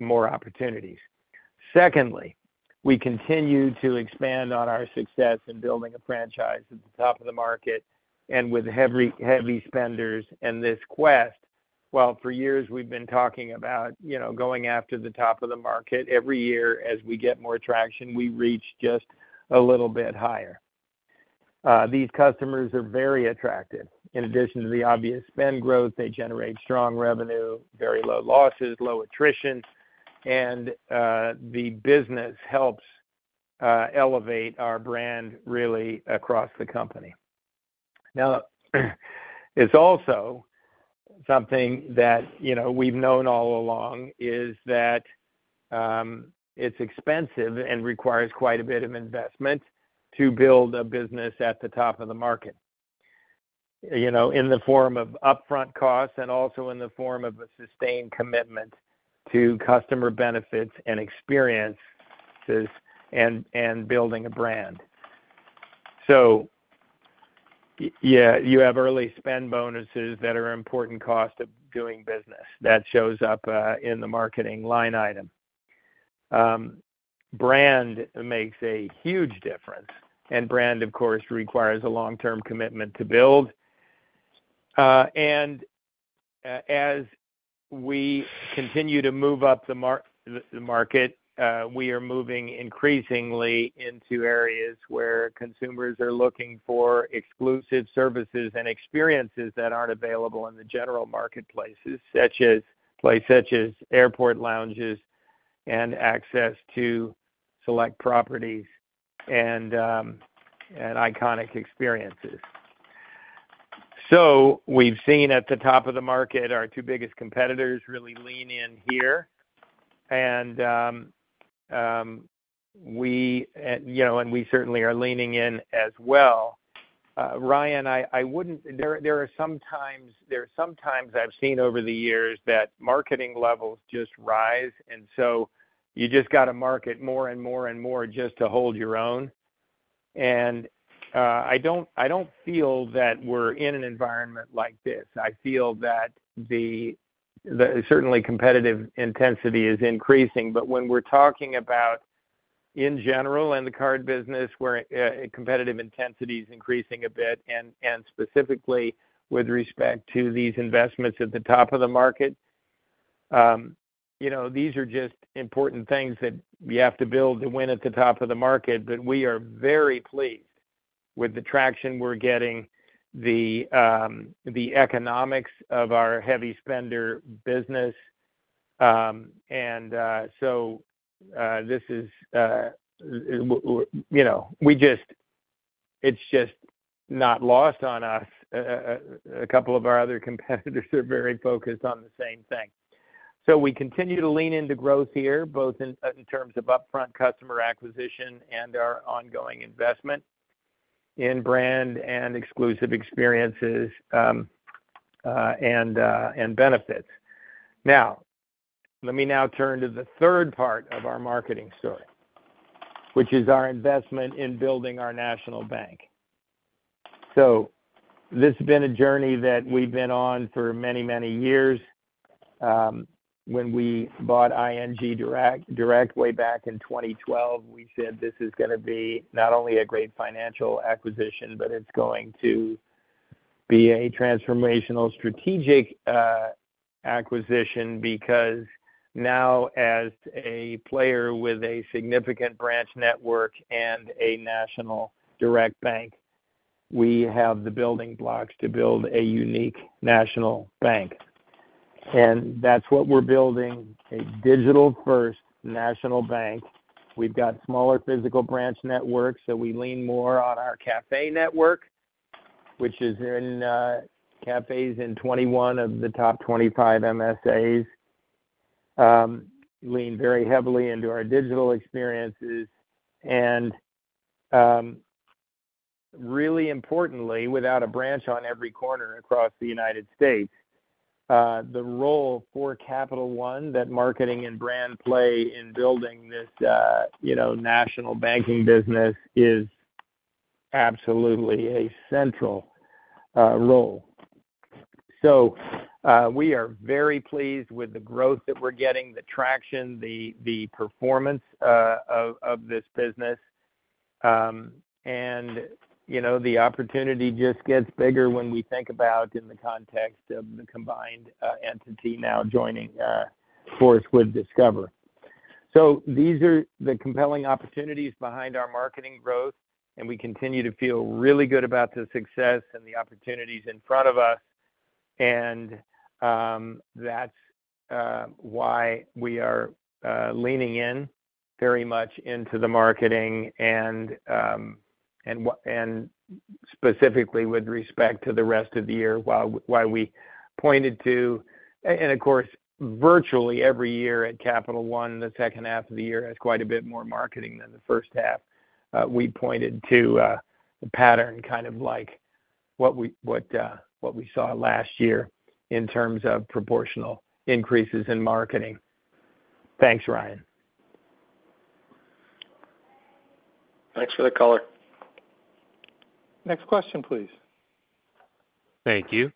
more opportunities. Secondly, we continue to expand on our success in building a franchise at the top of the market and with heavy, heavy spenders in this quest. Well, for years we've been talking about, you know, going after the top of the market. Every year, as we get more traction, we reach just a little bit higher. These customers are very attractive. In addition to the obvious spend growth, they generate strong revenue, very low losses, low attritions, and the business helps elevate our brand really across the company. Now, it's also something that, you know, we've known all along, is that it's expensive and requires quite a bit of investment to build a business at the top of the market, you know, in the form of upfront costs and also in the form of a sustained commitment to customer benefits and experiences, and, and building a brand. So yeah, you have early spend bonuses that are important cost of doing business. That shows up in the marketing line item. Brand makes a huge difference, and brand, of course, requires a long-term commitment to build. And as we continue to move up the market, we are moving increasingly into areas where consumers are looking for exclusive services and experiences that aren't available in the general marketplaces, such as places such as airport lounges and access to select properties and iconic experiences. So we've seen at the top of the market, our two biggest competitors really lean in here, and we, you know, and we certainly are leaning in as well. Ryan, I wouldn't. There are sometimes I've seen over the years that marketing levels just rise, and so you just gotta market more and more and more just to hold your own. And I don't feel that we're in an environment like this. I feel that certainly competitive intensity is increasing, but when we're talking about, in general, in the card business, where competitive intensity is increasing a bit, and specifically with respect to these investments at the top of the market, you know, these are just important things that you have to build to win at the top of the market. But we are very pleased with the traction we're getting, the economics of our heavy spender business. You know, we just, it's just not lost on us. A couple of our other competitors are very focused on the same thing. So we continue to lean into growth here, both in terms of upfront customer acquisition and our ongoing investment in brand and exclusive experiences, and benefits. Now, let me now turn to the third part of our marketing story, which is our investment in building our national bank... So this has been a journey that we've been on for many, many years. When we bought ING Direct, Direct way back in 2012, we said this is gonna be not only a great financial acquisition, but it's going to be a transformational strategic acquisition. Because now, as a player with a significant branch network and a national direct bank, we have the building blocks to build a unique national bank. And that's what we're building, a digital-first national bank. We've got smaller physical branch networks, so we lean more on our cafe network, which is in cafes in 21 of the top 25 MSAs. Lean very heavily into our digital experiences and, really importantly, without a branch on every corner across the United States. The role for Capital One, that marketing and brand play in building this, you know, national banking business, is absolutely a central role. So, we are very pleased with the growth that we're getting, the traction, the performance, of this business. And, you know, the opportunity just gets bigger when we think about in the context of the combined entity now joining force with Discover. So these are the compelling opportunities behind our marketing growth, and we continue to feel really good about the success and the opportunities in front of us. That's why we are leaning in very much into the marketing and specifically with respect to the rest of the year, why we pointed to and of course, virtually every year at Capital One, the second half of the year has quite a bit more marketing than the first half. We pointed to a pattern, kind of like what we what we saw last year in terms of proportional increases in marketing. Thanks, Ryan. Thanks for the color. Next question, please. Thank you.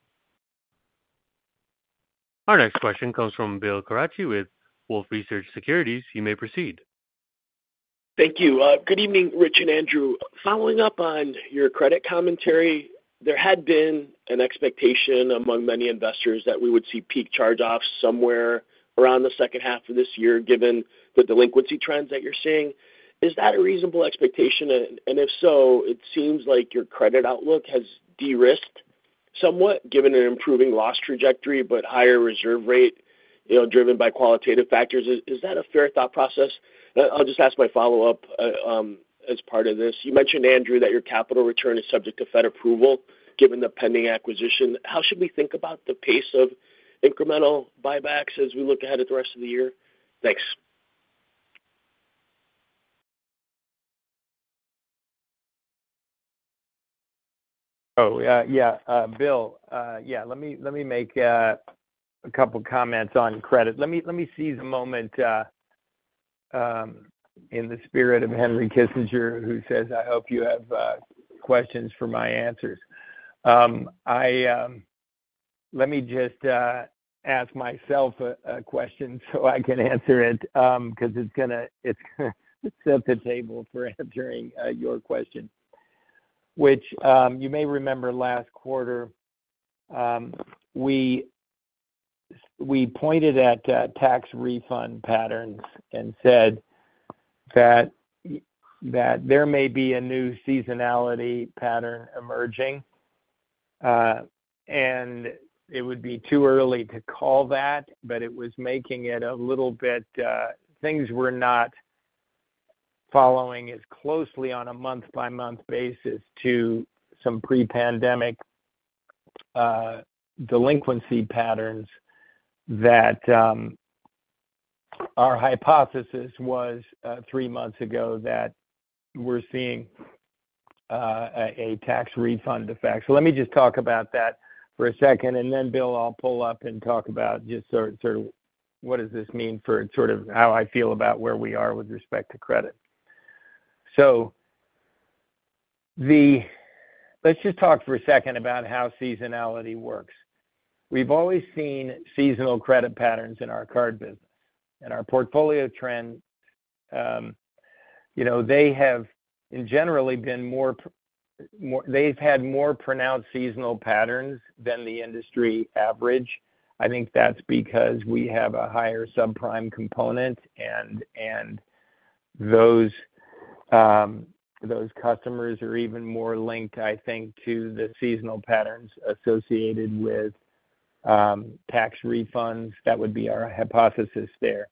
Our next question comes from Bill Carcache with Wolfe Research Securities. You may proceed. Thank you. Good evening, Rich and Andrew. Following up on your credit commentary, there had been an expectation among many investors that we would see peak charge-offs somewhere around the second half of this year, given the delinquency trends that you're seeing. Is that a reasonable expectation? And if so, it seems like your credit outlook has de-risked somewhat, given an improving loss trajectory, but higher reserve rate, you know, driven by qualitative factors. Is that a fair thought process? I'll just ask my follow-up as part of this. You mentioned, Andrew, that your capital return is subject to Fed approval, given the pending acquisition. How should we think about the pace of incremental buybacks as we look ahead at the rest of the year? Thanks. Oh, yeah, yeah. Bill, yeah, let me, let me make a couple comments on credit. Let me, let me seize a moment in the spirit of Henry Kissinger, who says, "I hope you have questions for my answers." I let me just ask myself a question so I can answer it, 'cause it's gonna, it's set the table for answering your question. Which, you may remember last quarter, we pointed at tax refund patterns and said that that there may be a new seasonality pattern emerging. And it would be too early to call that, but it was making it a little bit. Things were not following as closely on a month-by-month basis to some pre-pandemic delinquency patterns that our hypothesis was 3 months ago that we're seeing a tax refund effect. So let me just talk about that for a second, and then, Bill, I'll pull up and talk about just sort of what does this mean for sort of how I feel about where we are with respect to credit. So let's just talk for a second about how seasonality works. We've always seen seasonal credit patterns in our card biz and our portfolio trend. You know, they have generally been more pronounced. They've had more pronounced seasonal patterns than the industry average. I think that's because we have a higher subprime component, and those customers are even more linked, I think, to the seasonal patterns associated with tax refunds. That would be our hypothesis there.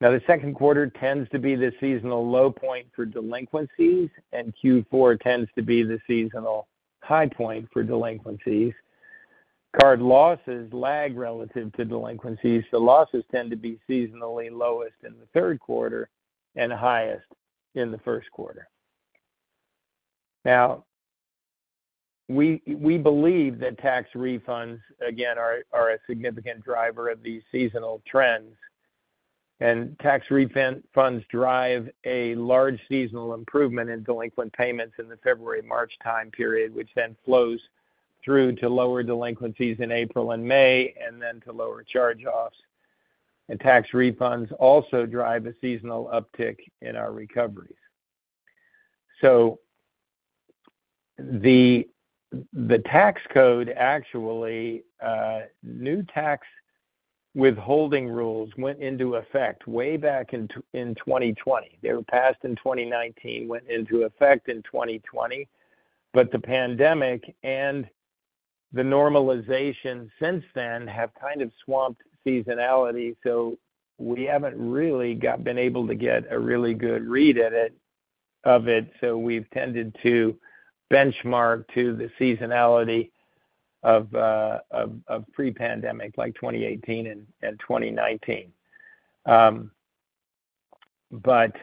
Now, the second quarter tends to be the seasonal low point for delinquencies, and Q4 tends to be the seasonal high point for delinquencies. Card losses lag relative to delinquencies, so losses tend to be seasonally lowest in the third quarter and highest in the first quarter. Now, we believe that tax refunds, again, are a significant driver of these seasonal trends. And tax refund funds drive a large seasonal improvement in delinquent payments in the February, March time period, which then flows through to lower delinquencies in April and May, and then to lower charge-offs. And tax refunds also drive a seasonal uptick in our recoveries. So the tax code, actually, new tax withholding rules went into effect way back in 2020. They were passed in 2019, went into effect in 2020, but the pandemic and the normalization since then have kind of swamped seasonality, so we haven't really been able to get a really good read at it, of it, so we've tended to benchmark to the seasonality of pre-pandemic, like 2018 and 2019. But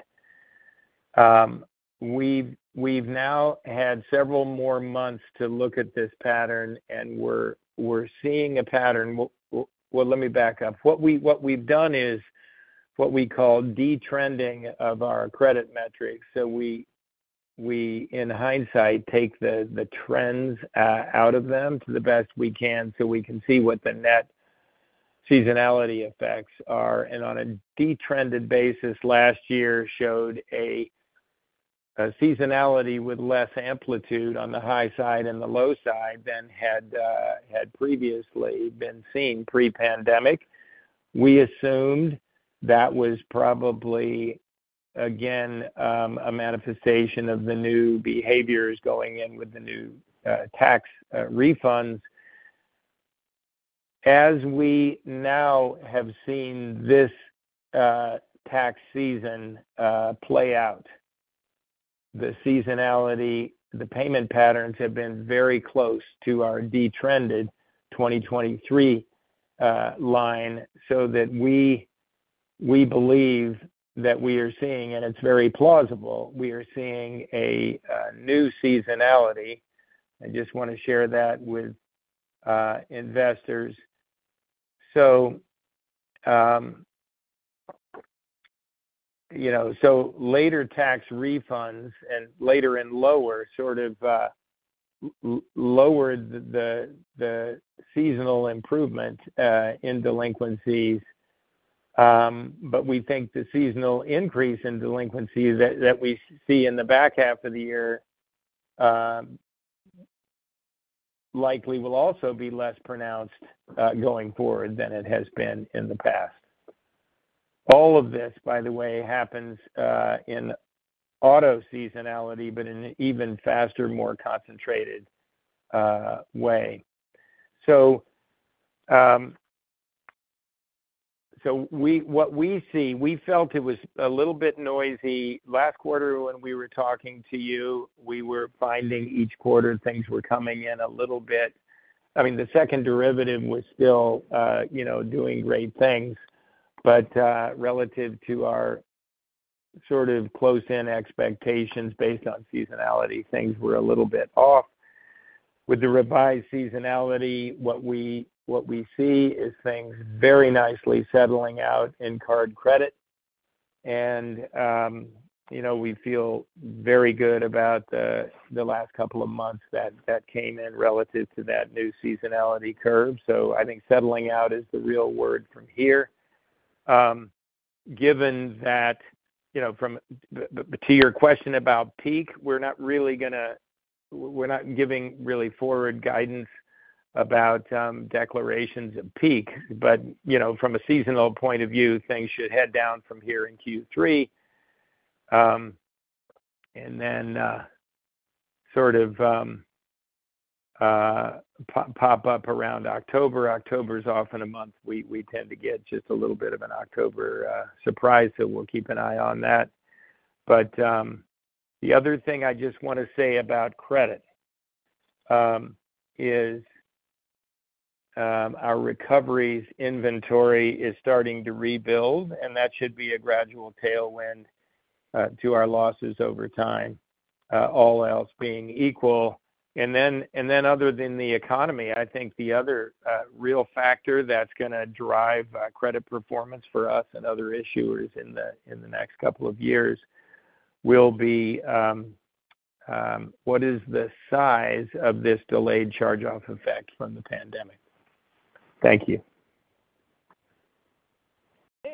we've now had several more months to look at this pattern, and we're seeing a pattern. Well, let me back up. What we've done is what we call detrending of our credit metrics. So in hindsight, we take the trends out of them to the best we can, so we can see what the net seasonality effects are. And on a detrended basis, last year showed a seasonality with less amplitude on the high side and the low side than had previously been seen pre-pandemic. We assumed that was probably, again, a manifestation of the new behaviors going in with the new tax refunds. As we now have seen this tax season play out, the seasonality, the payment patterns have been very close to our detrended 2023 line, so that we believe that we are seeing, and it's very plausible, we are seeing a new seasonality. I just want to share that with investors. So, you know, so later tax refunds and later and lower, sort of, lowered the seasonal improvement in delinquencies. But we think the seasonal increase in delinquencies that we see in the back half of the year likely will also be less pronounced going forward than it has been in the past. All of this, by the way, happens in auto seasonality, but in an even faster, more concentrated way. So, what we see, we felt it was a little bit noisy. Last quarter when we were talking to you, we were finding each quarter, things were coming in a little bit... I mean, the second derivative was still, you know, doing great things. But relative to our sort of close in expectations based on seasonality, things were a little bit off. With the revised seasonality, what we see is things very nicely settling out in card credit. You know, we feel very good about the last couple of months that came in relative to that new seasonality curve. I think settling out is the real word from here. Given that, you know, from that to your question about peak, we're not really giving forward guidance about declarations of peak. You know, from a seasonal point of view, things should head down from here in Q3, and then sort of pop up around October. October is often a month we tend to get just a little bit of an October surprise, so we'll keep an eye on that. But, the other thing I just want to say about credit is our recoveries inventory is starting to rebuild, and that should be a gradual tailwind to our losses over time, all else being equal. And then other than the economy, I think the other real factor that's gonna drive credit performance for us and other issuers in the next couple of years will be what is the size of this delayed charge-off effect from the pandemic? Thank you.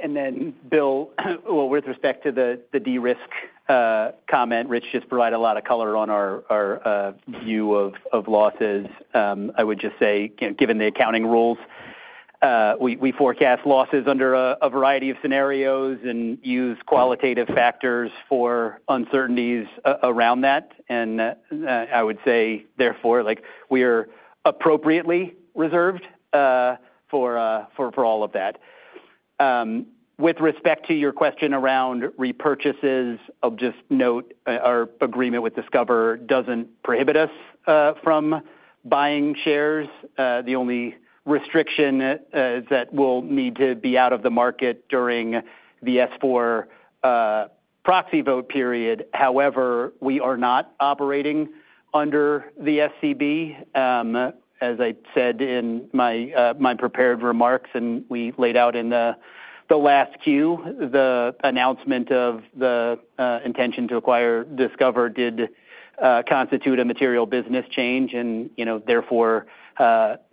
And then, Bill, well, with respect to the de-risk comment, Rich just provided a lot of color on our view of losses. I would just say, given the accounting rules, we forecast losses under a variety of scenarios and use qualitative factors for uncertainties around that. And, I would say, therefore, like, we are appropriately reserved for all of that. With respect to your question around repurchases, I'll just note, our agreement with Discover doesn't prohibit us from buying shares. The only restriction is that we'll need to be out of the market during the S-4 proxy vote period. However, we are not operating under the SCB. As I said in my prepared remarks, and we laid out in the last Q, the announcement of the intention to acquire Discover did constitute a material business change. And, you know, therefore,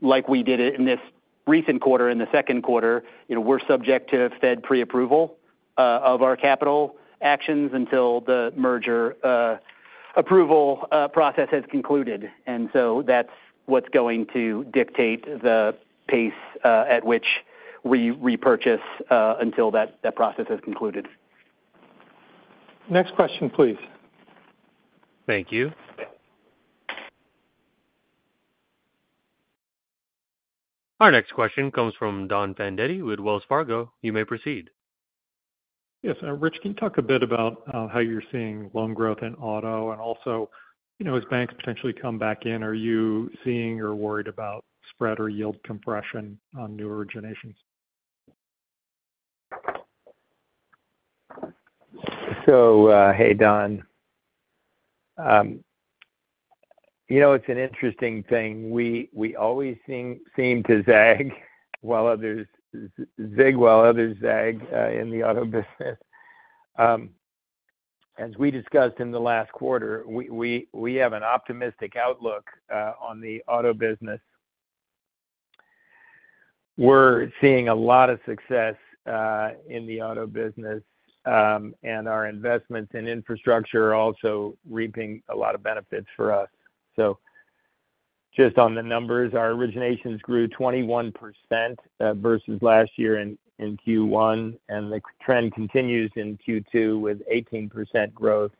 like we did in this recent quarter, in the second quarter, you know, we're subject to Fed pre-approval of our capital actions until the merger approval process has concluded. And so that's what's going to dictate the pace at which we repurchase until that process has concluded. Next question, please. Thank you. Our next question comes from Don Fandetti with Wells Fargo. You may proceed. Yes, Rich, can you talk a bit about how you're seeing loan growth in auto, and also, you know, as banks potentially come back in, are you seeing or worried about spread or yield compression on new originations? So, hey, Don. You know, it's an interesting thing. We always seem to zag while others zig in the auto business. As we discussed in the last quarter, we have an optimistic outlook on the auto business. We're seeing a lot of success in the auto business, and our investments in infrastructure are also reaping a lot of benefits for us. So just on the numbers, our originations grew 21% versus last year in Q1, and the trend continues in Q2 with 18% growth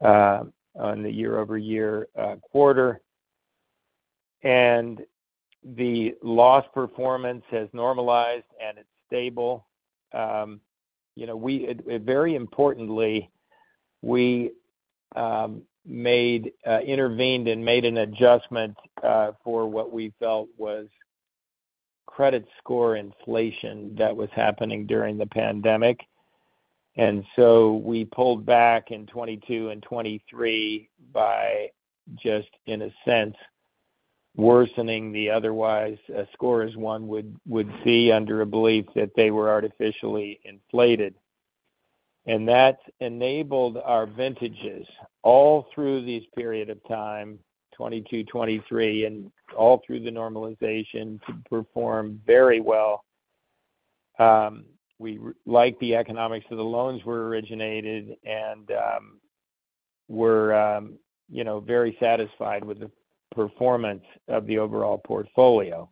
on the year-over-year quarter. And the loss performance has normalized, and it's stable. You know, very importantly, we intervened and made an adjustment for what we felt was credit score inflation that was happening during the pandemic. And so we pulled back in 2022 and 2023 by just, in a sense, worsening the otherwise scores one would see under a belief that they were artificially inflated. And that's enabled our vintages all through this period of time, 2022, 2023 and all through the normalization, to perform very well. We like the economics of the loans were originated and, we're, you know, very satisfied with the performance of the overall portfolio.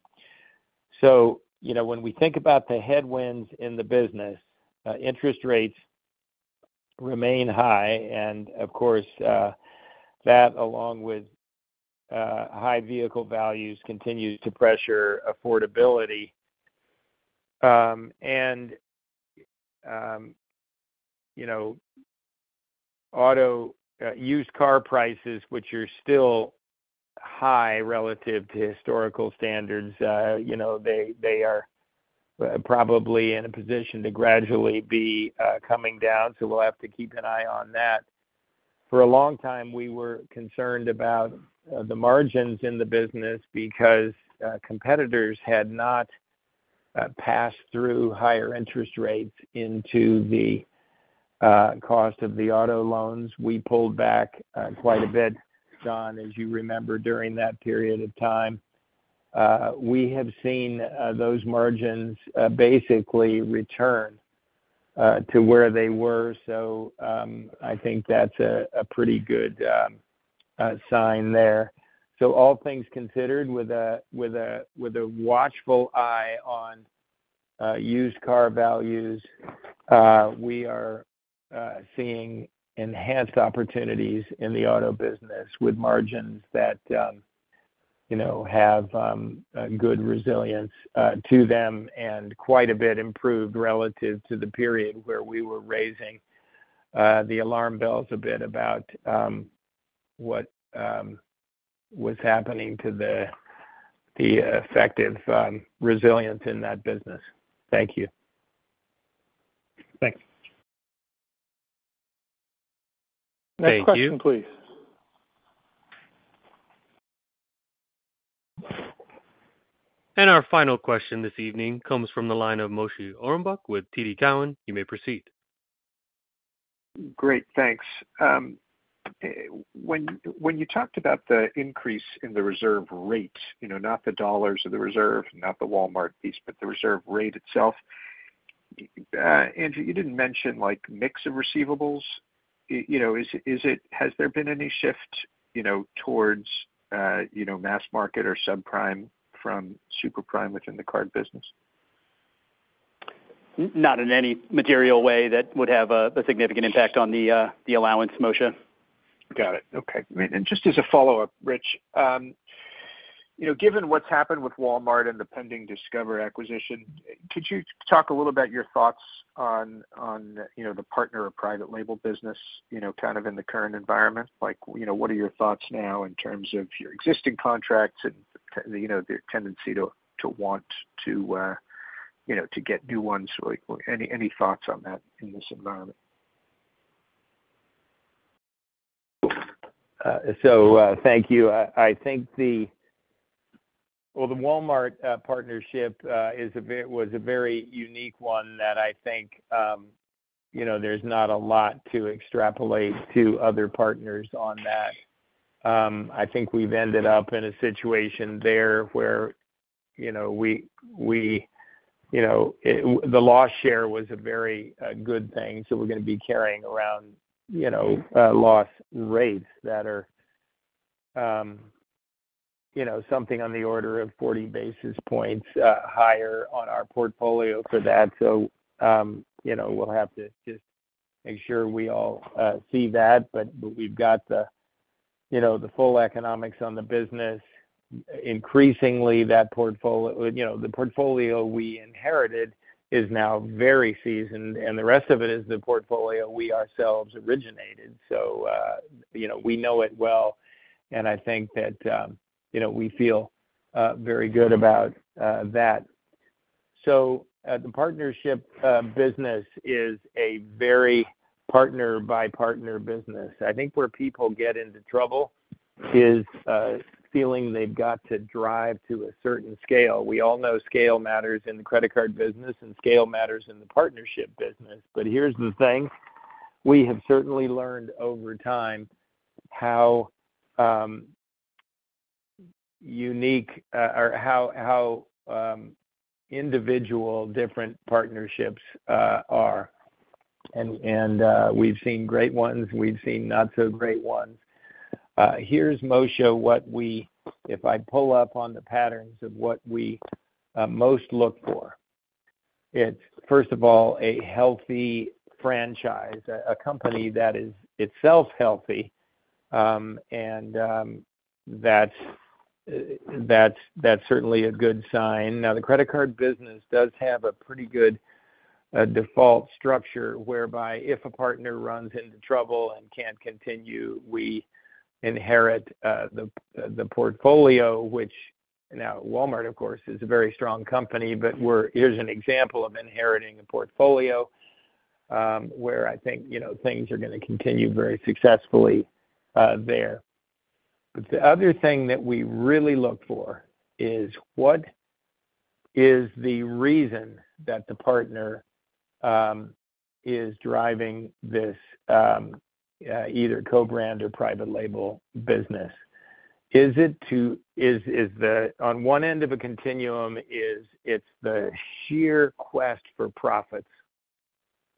So, you know, when we think about the headwinds in the business, interest rates remain high and of course, that along with, high vehicle values, continues to pressure affordability. And, you know, auto, used car prices, which are still high relative to historical standards, you know, they are probably in a position to gradually be coming down, so we'll have to keep an eye on that. For a long time, we were concerned about the margins in the business because competitors had not passed through higher interest rates into the cost of the auto loans. We pulled back quite a bit, Don, as you remember, during that period of time. We have seen those margins basically return to where they were, so I think that's a pretty good sign there. So all things considered, with a watchful eye on used car values, we are seeing enhanced opportunities in the auto business with margins that, you know, have a good resilience to them, and quite a bit improved relative to the period where we were raising the alarm bells a bit about what was happening to the effective resilience in that business. Thank you. Thanks. Thank you. Next question, please. Our final question this evening comes from the line of Moshe Orenbuch with TD Cowen. You may proceed. Great, thanks. When you talked about the increase in the reserve rate, you know, not the dollars of the reserve, not the Walmart piece, but the reserve rate itself, Andrew, you didn't mention like, mix of receivables. You know, is it has there been any shift, you know, towards, you know, mass market or subprime from super prime within the card business? Not in any material way that would have a significant impact on the allowance, Moshe. Got it. Okay, great. And just as a follow-up, Rich, you know, given what's happened with Walmart and the pending Discover acquisition, could you talk a little about your thoughts on, you know, the partner or private label business, you know, kind of in the current environment? Like, you know, what are your thoughts now in terms of your existing contracts and you know, the tendency to want to... you know, to get new ones or any, any thoughts on that in this environment? So, thank you. I think well, the Walmart partnership is a very, was a very unique one that I think, you know, there's not a lot to extrapolate to other partners on that. I think we've ended up in a situation there where, you know, we, you know, the loss share was a very good thing, so we're gonna be carrying around, you know, loss rates that are, you know, something on the order of 40 basis points higher on our portfolio for that. So, you know, we'll have to just make sure we all see that. But we've got the, you know, the full economics on the business. Increasingly, you know, the portfolio we inherited is now very seasoned, and the rest of it is the portfolio we ourselves originated. So, you know, we know it well, and I think that, you know, we feel very good about that. So, the partnership business is a very partner-by-partner business. I think where people get into trouble is feeling they've got to drive to a certain scale. We all know scale matters in the credit card business, and scale matters in the partnership business. But here's the thing: We have certainly learned over time how unique or how individual different partnerships are. And we've seen great ones, and we've seen not so great ones. Here's, Moshe, what we -- if I pull up on the patterns of what we most look for. It's, first of all, a healthy franchise, a company that is itself healthy, and that's certainly a good sign. Now, the credit card business does have a pretty good default structure, whereby if a partner runs into trouble and can't continue, we inherit the portfolio, which, now, Walmart, of course, is a very strong company. Here's an example of inheriting a portfolio, where I think, you know, things are gonna continue very successfully, there. But the other thing that we really look for is what is the reason that the partner is driving this, yeah, either co-brand or private label business? On one end of a continuum is, it's the sheer quest for profits,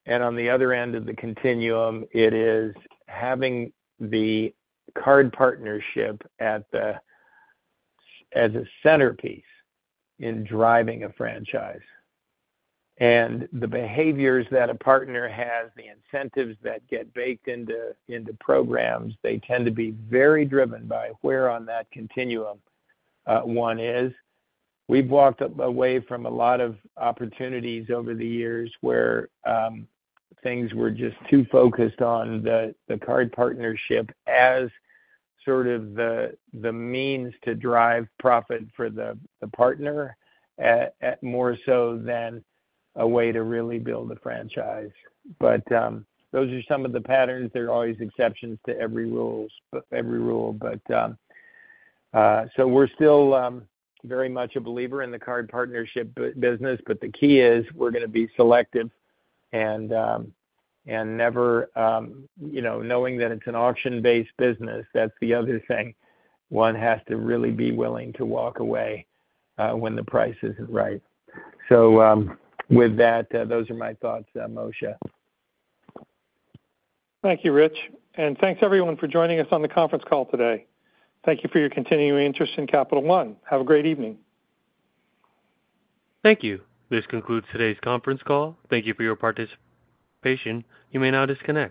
and on the other end of the continuum, it is having the card partnership as a centerpiece in driving a franchise. And the behaviors that a partner has, the incentives that get baked into programs, they tend to be very driven by where on that continuum one is. We've walked away from a lot of opportunities over the years, where things were just too focused on the card partnership as sort of the means to drive profit for the partner more so than a way to really build a franchise. But those are some of the patterns. There are always exceptions to every rule, but every rule. But, so we're still very much a believer in the card partnership business, but the key is, we're gonna be selective and never, you know, knowing that it's an auction-based business, that's the other thing. One has to really be willing to walk away, when the price isn't right. So, with that, those are my thoughts, Moshe. Thank you, Rich, and thanks, everyone, for joining us on the conference call today. Thank you for your continuing interest in Capital One. Have a great evening. Thank you. This concludes today's conference call. Thank you for your participation. You may now disconnect.